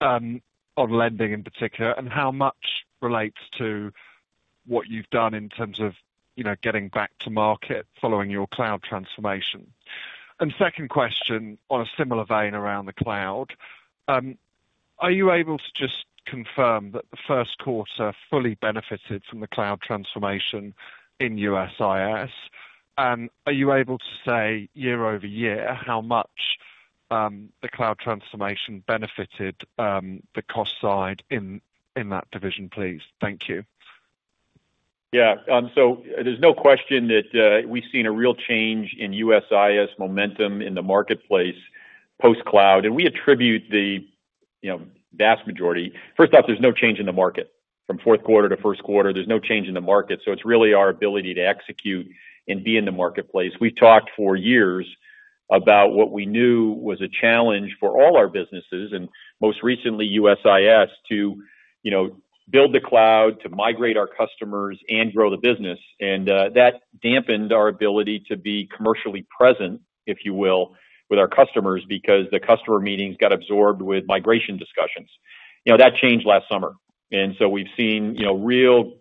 on lending in particular, and how much relates to what you've done in terms of getting back to market following your cloud transformation? Second question on a similar vein around the cloud, are you able to just confirm that the first quarter fully benefited from the cloud transformation in USIS? Are you able to say year-over-year how much the cloud transformation benefited the cost side in that division, please? Thank you. Yeah. There's no question that we've seen a real change in USIS momentum in the marketplace post-cloud. We attribute the vast majority. First off, there's no change in the market. From fourth quarter to first quarter, there's no change in the market. It's really our ability to execute and be in the marketplace. We've talked for years about what we knew was a challenge for all our businesses, and most recently USIS, to build the cloud, to migrate our customers, and grow the business. That dampened our ability to be commercially present, if you will, with our customers because the customer meetings got absorbed with migration discussions. That changed last summer. We've seen real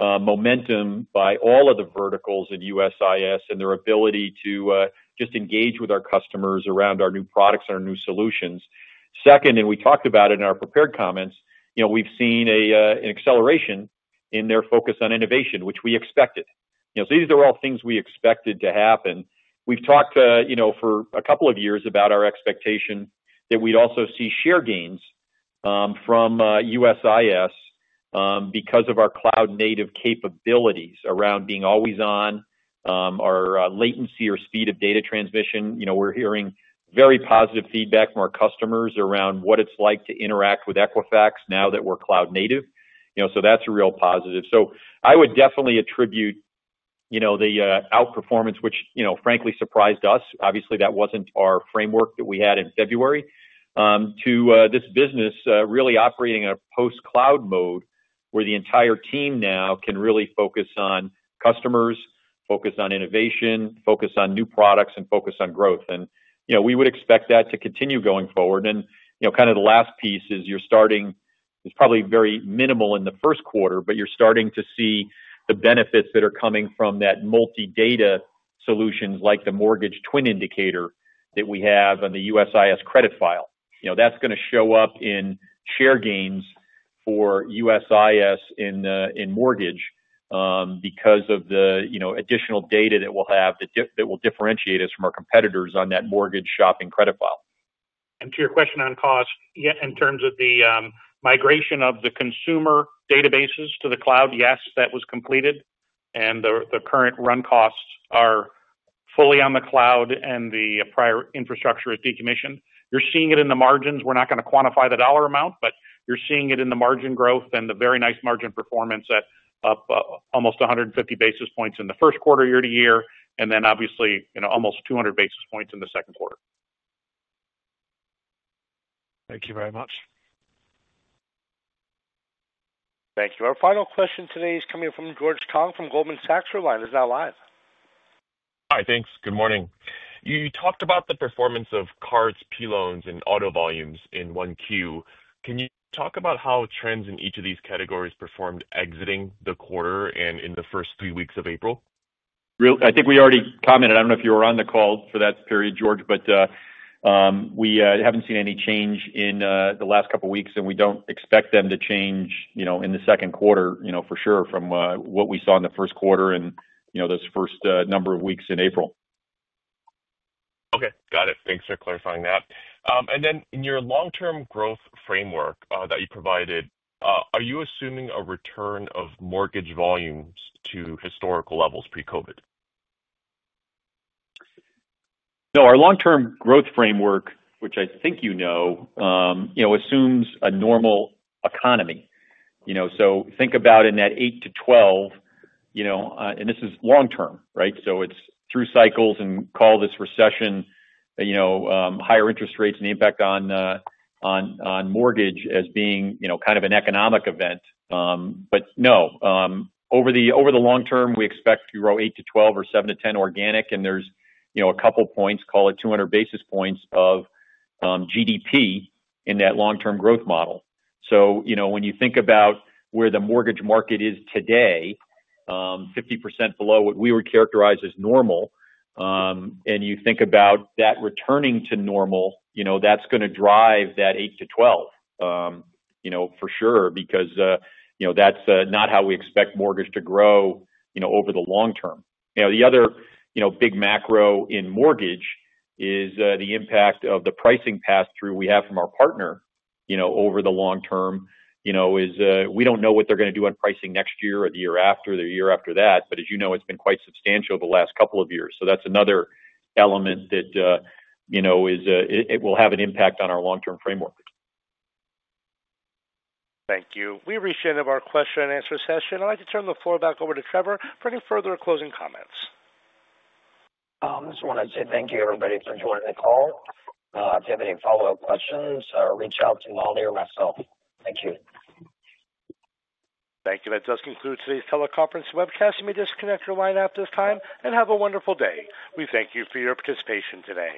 momentum by all of the verticals in USIS and their ability to just engage with our customers around our new products and our new solutions. Second, and we talked about it in our prepared comments, we've seen an acceleration in their focus on innovation, which we expected. These are all things we expected to happen. We've talked for a couple of years about our expectation that we'd also see share gains from USIS because of our cloud-native capabilities around being always on, our latency or speed of data transmission. We're hearing very positive feedback from our customers around what it's like to interact with Equifax now that we're cloud-native. That's a real positive. I would definitely attribute the outperformance, which frankly surprised us. Obviously, that wasn't our framework that we had in February, to this business really operating in a post-cloud mode where the entire team now can really focus on customers, focus on innovation, focus on new products, and focus on growth. We would expect that to continue going forward. The last piece is you're starting—it's probably very minimal in the first quarter, but you're starting to see the benefits that are coming from that multi-data solutions like the mortgage TWN indicator that we have on the USIS credit file. That's going to show up in share gains for USIS in mortgage because of the additional data that we'll have that will differentiate us from our competitors on that mortgage shopping credit file. To your question on cost, in terms of the migration of the consumer databases to the cloud, yes, that was completed. The current run costs are fully on the cloud, and the prior infrastructure is decommissioned. You're seeing it in the margins. We're not going to quantify the dollar amount, but you're seeing it in the margin growth and the very nice margin performance at almost 150 basis points in the first quarter year-to-year, and then obviously almost 200 basis points in the second quarter. Thank you very much. Thank you. Our final question today is coming from George Tong from Goldman Sachs. Your line is now live. Hi, thanks. Good morning. You talked about the performance of cards, P-loans, and auto volumes in one Q. Can you talk about how trends in each of these categories performed exiting the quarter and in the first three weeks of April? I think we already commented. I don't know if you were on the call for that period, George, but we haven't seen any change in the last couple of weeks, and we don't expect them to change in the second quarter for sure from what we saw in the first quarter and those first number of weeks in April. Okay. Got it. Thanks for clarifying that. In your long-term growth framework that you provided, are you assuming a return of mortgage volumes to historical levels pre-COVID? No, our long-term growth framework, which I think you know, assumes a normal economy. Think about in that 8-12, and this is long-term, right? It is through cycles and call this recession, higher interest rates and the impact on mortgage as being kind of an economic event. No, over the long term, we expect to grow 8-12 or 7-10 organic, and there's a couple of points, call it 200 basis points of GDP in that long-term growth model. When you think about where the mortgage market is today, 50% below what we would characterize as normal, and you think about that returning to normal, that's going to drive that 8-12 for sure because that's not how we expect mortgage to grow over the long term. The other big macro in mortgage is the impact of the pricing pass-through we have from our partner over the long term. We don't know what they're going to do on pricing next year or the year after or the year after that, but as you know, it's been quite substantial the last couple of years. That is another element that it will have an impact on our long-term framework. Thank you. We've reached the end of our question and answer session. I would like to turn the floor back over to Trevor for any further closing comments. I just want to say thank you, everybody, for joining the call. If you have any follow-up questions, reach out to Molly or myself. Thank you. Thank you. That does conclude today's teleconference webcast. You may disconnect your line at this time and have a wonderful day. We thank you for your participation today.